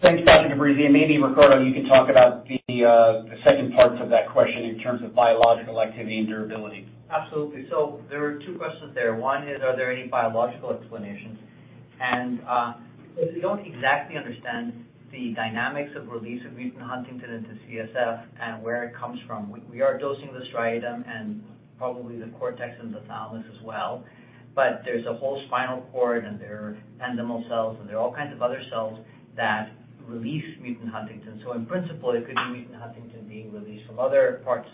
Thanks, Dr. De Bruijn. Maybe, Ricardo, you can talk about the second parts of that question in terms of biological activity and durability. Absolutely. There are two questions there. One is, are there any biological explanations? We don't exactly understand the dynamics of release of mutant huntingtin into CSF and where it comes from. We, we are dosing the striatum and probably the cortex and the thalamus as well, but there's a whole spinal cord and there are ependymal cells, and there are all kinds of other cells that release mutant huntingtin. In principle, it could be mutant huntingtin being released from other parts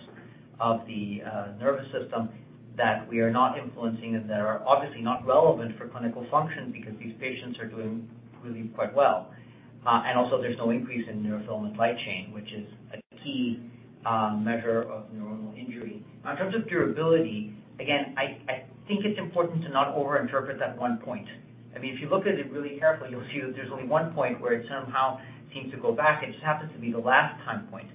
of the nervous system that we are not influencing and that are obviously not relevant for clinical function because these patients are doing really quite well. Also, there's no increase in neurofilament light chain, which is a key measure of neuronal injury. In terms of durability, again, I think it's important to not overinterpret that one point. I mean, if you look at it really carefully, you'll see that there's only one point where it somehow seems to go back. It just happens to be the last time point.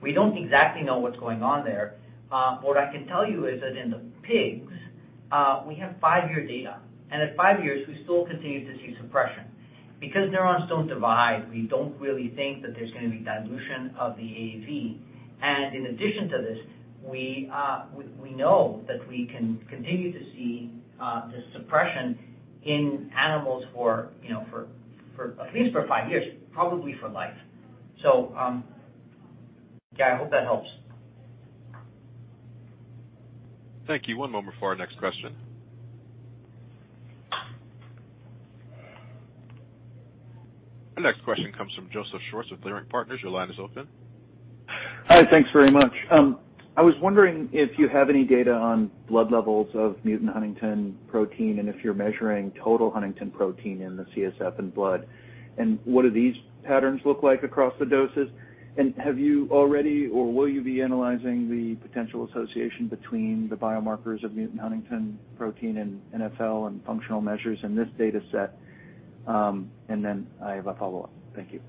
We don't exactly know what's going on there. What I can tell you is that in the pigs, we have five-year data, and at five years, we still continue to see suppression. Because neurons don't divide, we don't really think that there's going to be dilution of the AAV. In addition to this, we know that we can continue to see the suppression in animals for, you know, for at least for five years, probably for life. Yeah, I hope that helps. Thank you. One moment before our next question. Our next question comes from Joseph Schwartz with Leerink Partners. Your line is open. Hi, thanks very much. I was wondering if you have any data on blood levels of mutant huntingtin protein, and if you're measuring total huntingtin protein in the CSF and blood, and what do these patterns look like across the doses? Have you already, or will you be analyzing the potential association between the biomarkers of mutant huntingtin protein and NfL and functional measures in this data set? I have a follow-up. Thank you.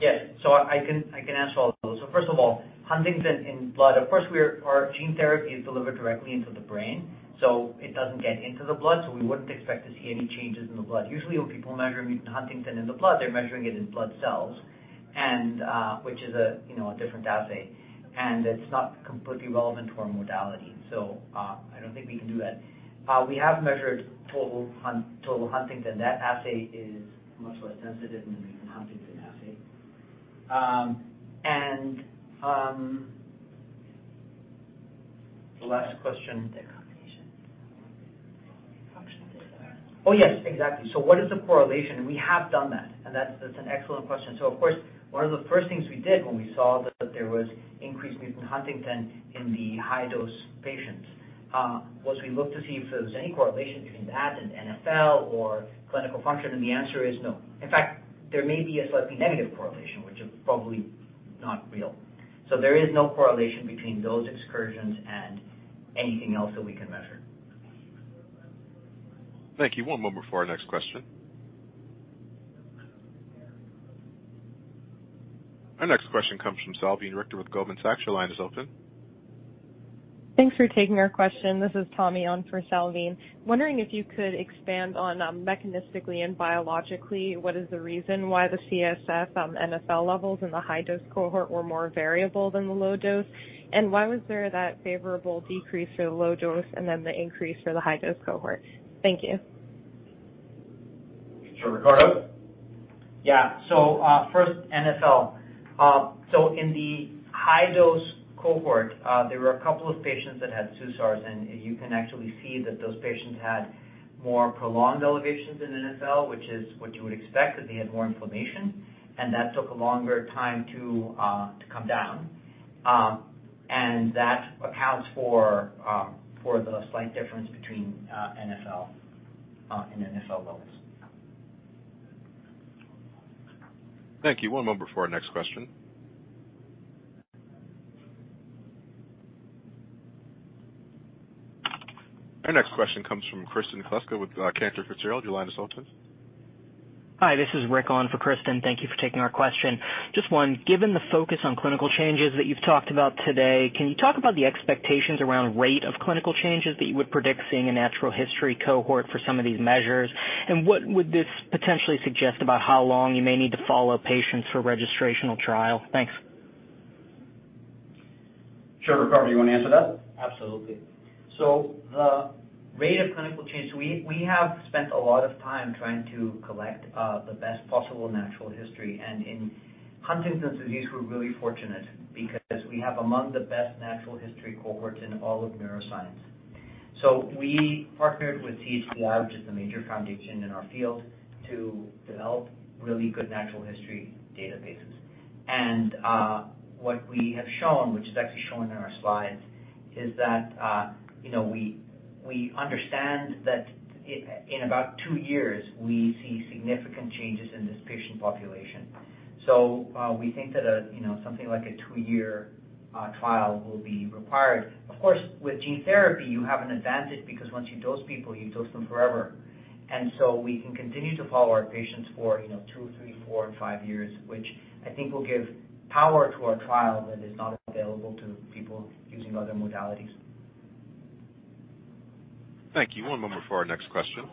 Yes. I can answer all those. First of all, huntingtin in blood. Of course, our gene therapy is delivered directly into the brain, so it doesn't get into the blood, so we wouldn't expect to see any changes in the blood. Usually, when people measure mutant huntingtin in the blood, they're measuring it in blood cells, and, which is a, you know, a different assay, and it's not completely relevant to our modality. I don't think we can do that. We have measured total huntingtin. That assay is much less sensitive than the huntingtin assay. The last question. The combination. Function. Oh, yes, exactly. What is the correlation? We have done that, and that's an excellent question. Of course, one of the first things we did when we saw that there was increased mutant huntingtin in the high-dose patients, was we looked to see if there was any correlation between that and NfL or clinical function, and the answer is no. In fact, there may be a slightly negative correlation, which is probably not real. There is no correlation between those excursions and anything else that we can measure. Thank you. One moment before our next question. Our next question comes from Salveen Richter with Goldman Sachs. Your line is open. Thanks for taking our question. This is Tommy on for Salveen. Wondering if you could expand on, mechanistically and biologically, what is the reason why the CSF, NfL levels in the high-dose cohort were more variable than the low dose? Why was there that favorable decrease for the low dose and then the increase for the high-dose cohort? Thank you. Sure, Ricardo? First, NFL. In the high-dose cohort, there were a couple of patients that had SUSARs, and you can actually see that those patients had more prolonged elevations in NFL, which is what you would expect, that they had more inflammation, and that took a longer time to come down. That accounts for the slight difference between NFL and NFL levels. Thank you. One moment before our next question. Our next question comes from Kristen Kluska with Cantor Fitzgerald. Your line is open. Hi, this is Rick on for Kristen. Thank you for taking our question. Just 1, given the focus on clinical changes that you've talked about today, can you talk about the expectations around rate of clinical changes that you would predict seeing a natural history cohort for some of these measures? What would this potentially suggest about how long you may need to follow patients for registrational trial? Thanks. Sure. Ricardo, you want to answer that? Absolutely. The rate of clinical change, we have spent a lot of time trying to collect the best possible natural history. In Huntington's disease, we're really fortunate because we have among the best natural history cohorts in all of neuroscience. We partnered with CHDI Lab, which is a major foundation in our field, to develop really good natural history databases. What we have shown, which is actually shown in our slides, is that, you know, we understand that in about two years, we see significant changes in this patient population. We think that, you know, something like a two-year trial will be required. Of course, with gene therapy, you have an advantage because once you dose people, you dose them forever. We can continue to follow our patients for, you know, two, three, four, and five years, which I think will give power to our trial that is not available to people using other modalities. Thank you. One moment before our next question.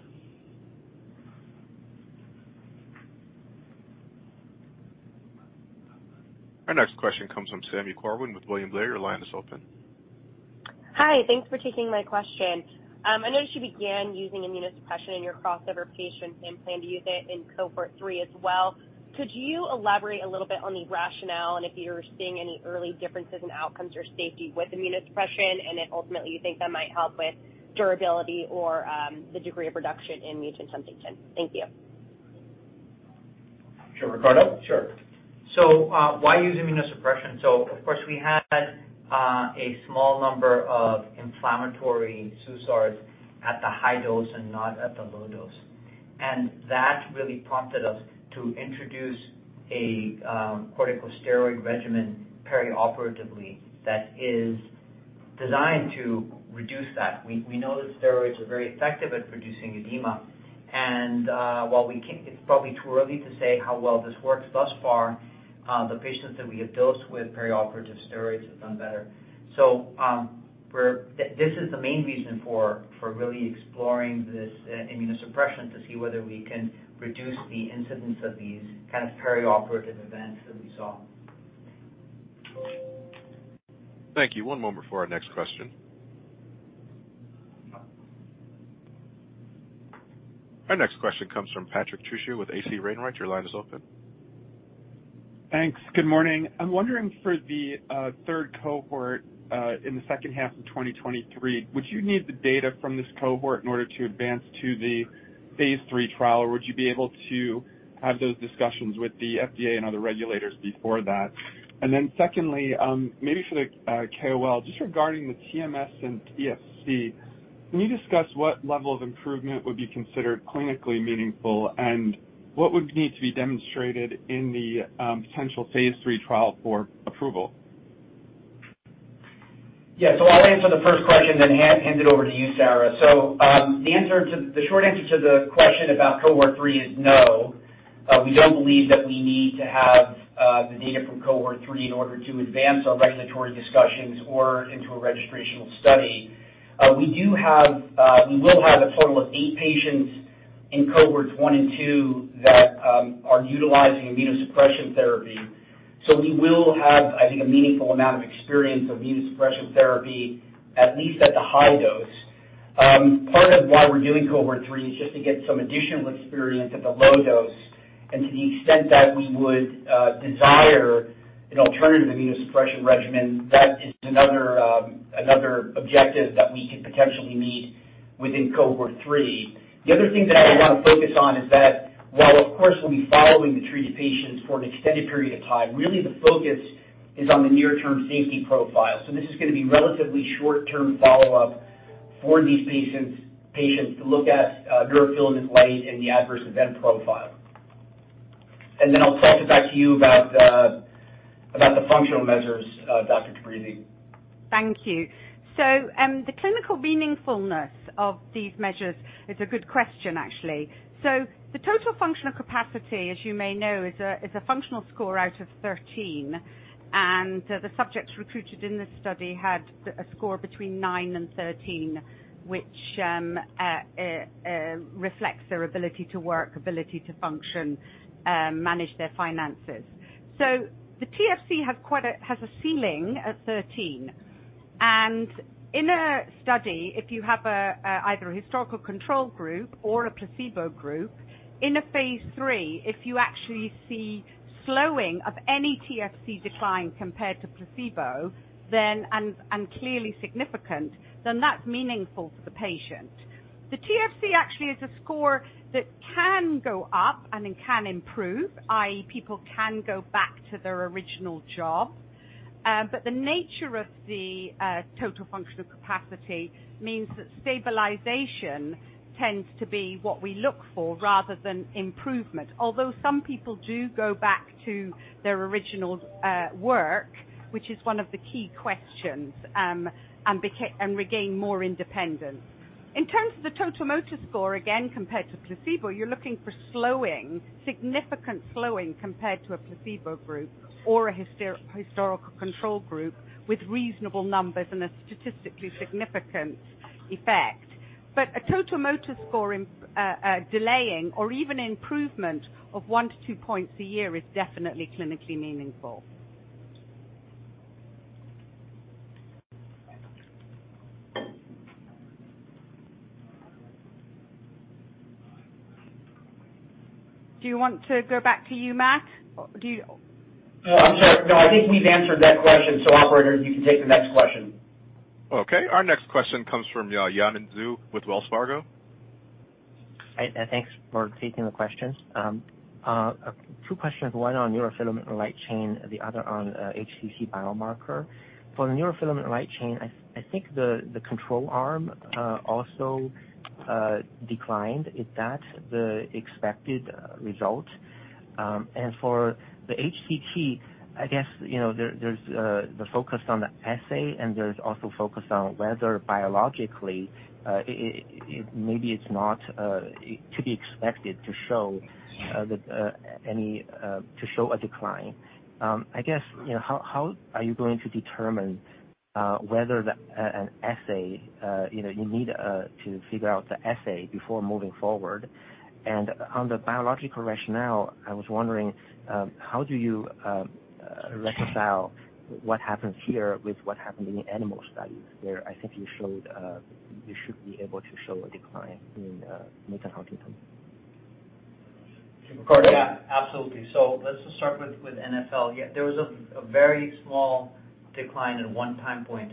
Our next question comes from Sami Corwin with William Blair. Your line is open. Hi, thanks for taking my question. I noticed you began using immunosuppression in your crossover patients and plan to use it in cohort 3 as well. Could you elaborate a little bit on the rationale and if you're seeing any early differences in outcomes or safety with immunosuppression, and then ultimately, you think that might help with durability or the degree of reduction in mutant huntingtin? Thank you. Sure, Ricardo? Sure. Why use immunosuppression? Of course, we had a small number of inflammatory SUSARs at the high dose and not at the low dose. That really prompted us to introduce a corticosteroid regimen perioperatively that is designed to reduce that. We know that steroids are very effective at reducing edema, and while it's probably too early to say how well this works thus far, the patients that we have dosed with perioperative steroids have done better. This is the main reason for really exploring this immunosuppression, to see whether we can reduce the incidence of these kind of perioperative events that we saw. Thank you. One moment before our next question. Our next question comes from Patrick Trucchio with H.C. Wainwright. Your line is open. Thanks. Good morning. I'm wondering for the third cohort in the second half of 2023, would you need the data from this cohort in order to advance to the phase III trial, or would you be able to have those discussions with the FDA and other regulators before that? Secondly, maybe for the KOL, just regarding the TMS and TFC, can you discuss what level of improvement would be considered clinically meaningful? What would need to be demonstrated in the potential phase III trial for approval? I'll answer the first question, then hand it over to you, Sarah. The short answer to the question about cohort 3 is no. We don't believe that we need to have the data from cohort 3 in order to advance our regulatory discussions or into a registrational study. We do have, we will have a total of 8 patients in cohorts 1 and 2 that are utilizing immunosuppression therapy. We will have, I think, a meaningful amount of experience of immunosuppression therapy, at least at the high dose. Part of why we're doing cohort 3 is just to get some additional experience at the low dose, and to the extent that we would desire an alternative immunosuppression regimen, that is another objective that we could potentially meet within cohort 3. The other thing that I want to focus on is that while, of course, we'll be following the treated patients for an extended period of time, really the focus is on the near-term safety profile. This is going to be relatively short-term follow-up for these patients to look at neurofilament light and the adverse event profile. Then I'll pass it back to you about the, about the functional measures, Dr. Tabrizi. Thank you. The clinical meaningfulness of these measures is a good question, actually. The Total Functional Capacity, as you may know, is a functional score out of 13, and the subjects recruited in this study had a score between nine and 13, which reflects their ability to work, ability to function, manage their finances. The TFC has quite a ceiling at 13, and in a study, if you have either a historical control group or a placebo group, in a phase III, if you actually see slowing of any TFC decline compared to placebo, then, and clearly significant, then that's meaningful for the patient. The TFC actually is a score that can go up and it can improve, i.e., people can go back to their original job. The nature of the Total Functional Capacity means that stabilization tends to be what we look for rather than improvement. Although some people do go back to their original work, which is one of the key questions, and regain more independence. In terms of the Total Motor Score, again, compared to placebo, you're looking for slowing, significant slowing compared to a placebo group or a historical control group, with reasonable numbers and a statistically significant effect. A Total Motor Score, delaying or even improvement of one to two points a year is definitely clinically meaningful. Do you want to go back to you, Matt? No, I'm sorry. No, I think we've answered that question. Operator, you can take the next question. Okay. Our next question comes from Yanan Zhu with Wells Fargo. Hi, thanks for taking the questions. Two questions, one on neurofilament light chain, the other on mHTT biomarker. For the neurofilament light chain, I think the control arm, also, declined. Is that the expected result? For the mHTT, I guess, you know, there's, the focus on the assay, and there's also focus on whether biologically, it, maybe it's not, to be expected to show, the, any, to show a decline. I guess, you know, how are you going to determine, whether the an assay, you know, you need, to figure out the assay before moving forward? On the biological rationale, I was wondering, how do you reconcile what happens here with what happened in the animal studies, where I think you showed, you should be able to show a decline in mutant huntingtin? Ricardo? Absolutely. Let's just start with NfL. There was a very small decline in 1 time point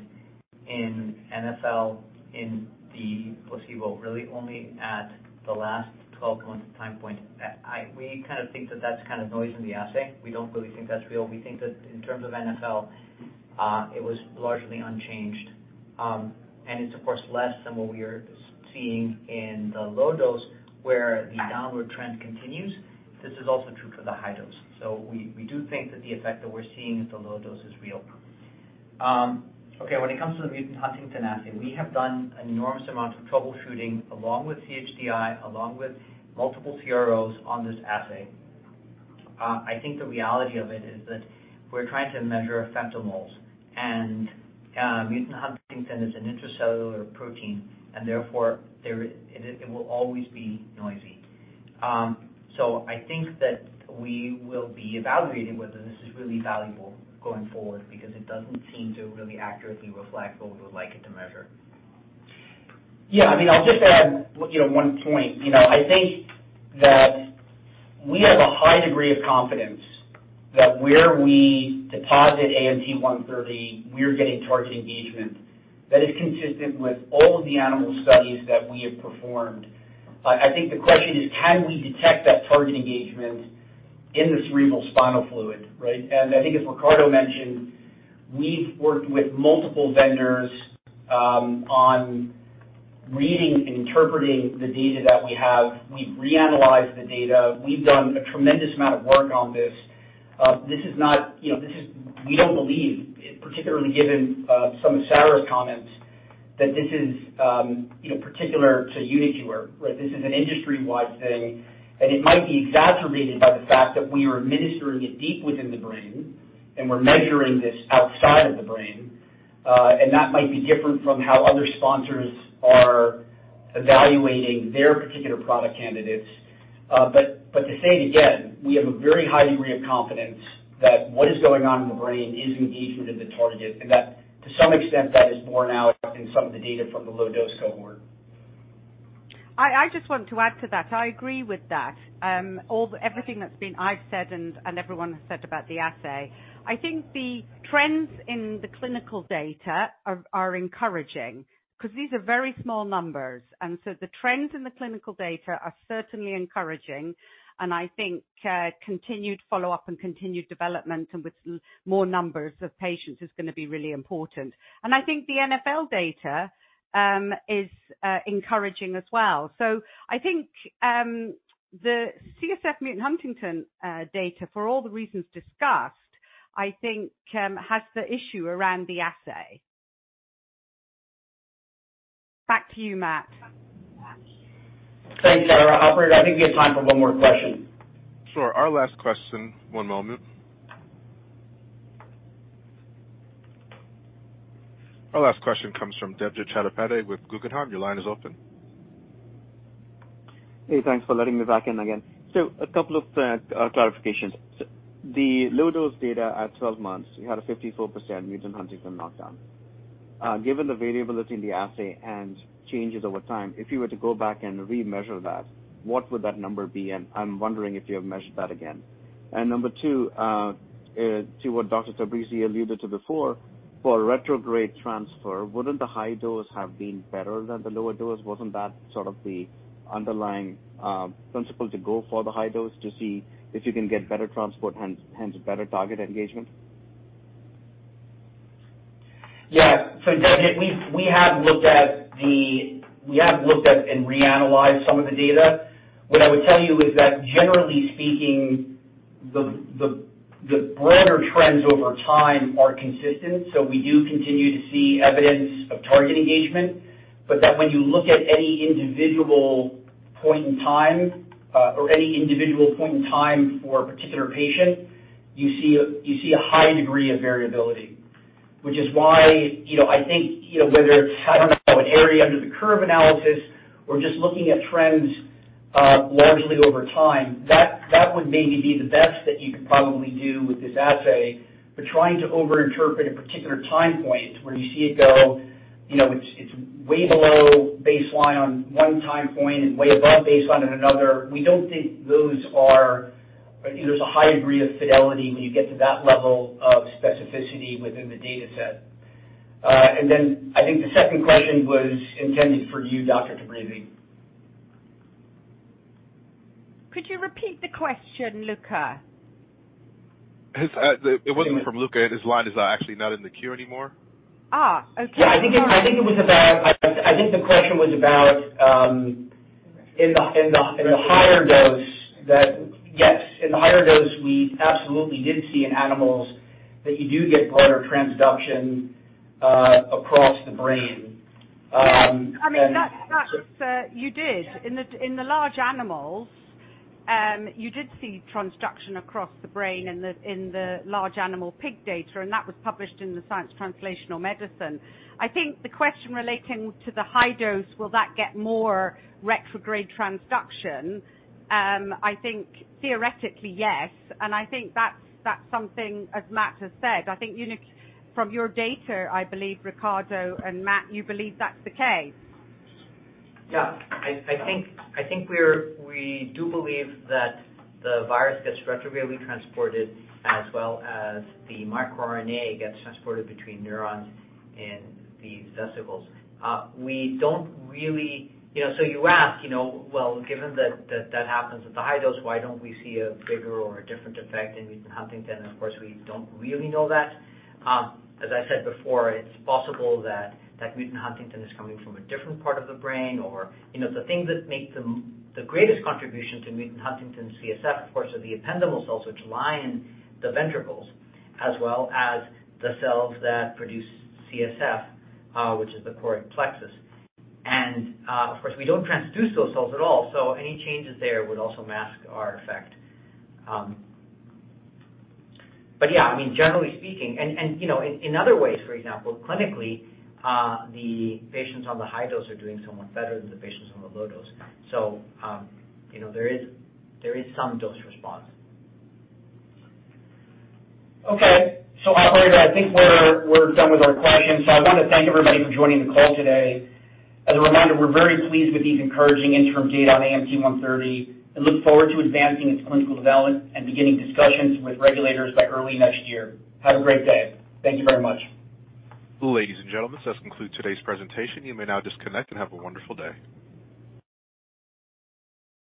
in NfL, in the placebo, really only at the last 12-month time point. We kind of think that that's kind of noise in the assay. We don't really think that's real. We think that in terms of NfL, it was largely unchanged. It's, of course, less than what we are seeing in the low dose, where the downward trend continues. This is also true for the high dose. We do think that the effect that we're seeing at the low dose is real. Okay, when it comes to the mutant huntingtin assay, we have done an enormous amount of troubleshooting, along with CHDI, along with multiple CROs on this assay. I think the reality of it is that we're trying to measure femtomoles. Mutant huntingtin is an intracellular protein, and therefore, it will always be noisy. I think that we will be evaluating whether this is really valuable going forward, because it doesn't seem to really accurately reflect what we would like it to measure. Yeah, I mean, I'll just add, you know, one point. You know, I think that we have a high degree of confidence that where we deposit AMT-130, we're getting target engagement that is consistent with all of the animal studies that we have performed. I think the question is, can we detect that target engagement in the cerebral spinal fluid, right? I think, as Ricardo mentioned, we've worked with multiple vendors on reading and interpreting the data that we have. We've reanalyzed the data. We've done a tremendous amount of work on this. This is not, you know, we don't believe, particularly given some of Sarah's comments, that this is, you know, particular to uniQure, right? This is an industry-wide thing, and it might be exacerbated by the fact that we are administering it deep within the brain, and we're measuring this outside of the brain. That might be different from how other sponsors are evaluating their particular product candidates. To say it again, we have a very high degree of confidence that what is going on in the brain is engagement of the target and that to some extent, that is borne out in some of the data from the low dose cohort. I just want to add to that. I agree with that, everything that's been, I've said and everyone has said about the assay. I think the trends in the clinical data are encouraging, 'cause these are very small numbers, the trends in the clinical data are certainly encouraging. I think continued follow-up and continued development and with more numbers of patients is gonna be really important. I think the NfL data is encouraging as well. I think the CSF mutant huntingtin data, for all the reasons discussed, I think, has the issue around the assay. Back to you, Matt. Thanks, Sarah. Operator, I think we have time for one more question. Sure. Our last question, one moment. Our last question comes from Debjit Chattopadhyay with Guggenheim. Your line is open. Hey, thanks for letting me back in again. A couple of clarifications. The low-dose data at 12 months, you had a 54% mutant huntingtin knockdown. Given the variability in the assay and changes over time, if you were to go back and remeasure that, what would that number be? I'm wondering if you have measured that again. Number two, to what Dr. Tabrizi alluded to before. For retrograde transfer, wouldn't the high dose have been better than the lower dose? Wasn't that sort of the underlying principle to go for the high dose, to see if you can get better transport, hence better target engagement? Again, we have looked at and reanalyzed some of the data. What I would tell you is that, generally speaking, the broader trends over time are consistent. We do continue to see evidence of target engagement, but that when you look at any individual point in time, or any individual point in time for a particular patient, you see a high degree of variability. Which is why, you know, I think, you know, whether it's, I don't know, an area under the curve analysis or just looking at trends, largely over time, that would maybe be the best that you could probably do with this assay. Trying to overinterpret a particular time point where you see it go, you know, it's way below baseline on one time point and way above baseline on another. There's a high degree of fidelity when you get to that level of specificity within the data set. Then I think the second question was intended for you, Dr. Tabrizi. Could you repeat the question? It's, it wasn't from Luca. His line is actually not in the queue anymore. Okay. I think it was about. I think the question was about in the higher dose. Yes, in the higher dose, we absolutely did see in animals that you do get broader transduction across the brain. I mean, that's, you did. In the large animals, you did see transduction across the brain in the large animal pig data, and that was published in the Science Translational Medicine. I think the question relating to the high dose, will that get more retrograde transduction? I think theoretically, yes. I think that's something, as Matt has said, I think unique from your data, I believe, Ricardo and Matt, you believe that's the case. Yeah. I think we do believe that the virus gets retrogradely transported, as well as the microRNA gets transported between neurons in the vesicles. We don't really. You know, you ask, you know, well, given that that happens at the high dose, why don't we see a bigger or a different effect in mutant huntingtin? Of course, we don't really know that. As I said before, it's possible that mutant huntingtin is coming from a different part of the brain or, you know, the things that make the greatest contribution to mutant huntingtin CSF, of course, are the ependymal cells, which line the ventricles, as well as the cells that produce CSF, which is the choroid plexus. Of course, we don't transduce those cells at all, so any changes there would also mask our effect. Yeah, I mean, generally speaking, and, you know, in other ways, for example, clinically, the patients on the high dose are doing somewhat better than the patients on the low dose. You know, there is some dose response. Okay. Operator, I think we're done with our questions. I want to thank everybody for joining the call today. As a reminder, we're very pleased with these encouraging interim data on AMT-130 and look forward to advancing its clinical development and beginning discussions with regulators by early next year. Have a great day. Thank you very much. Ladies and gentlemen, this concludes today's presentation. You may now disconnect and have a wonderful day.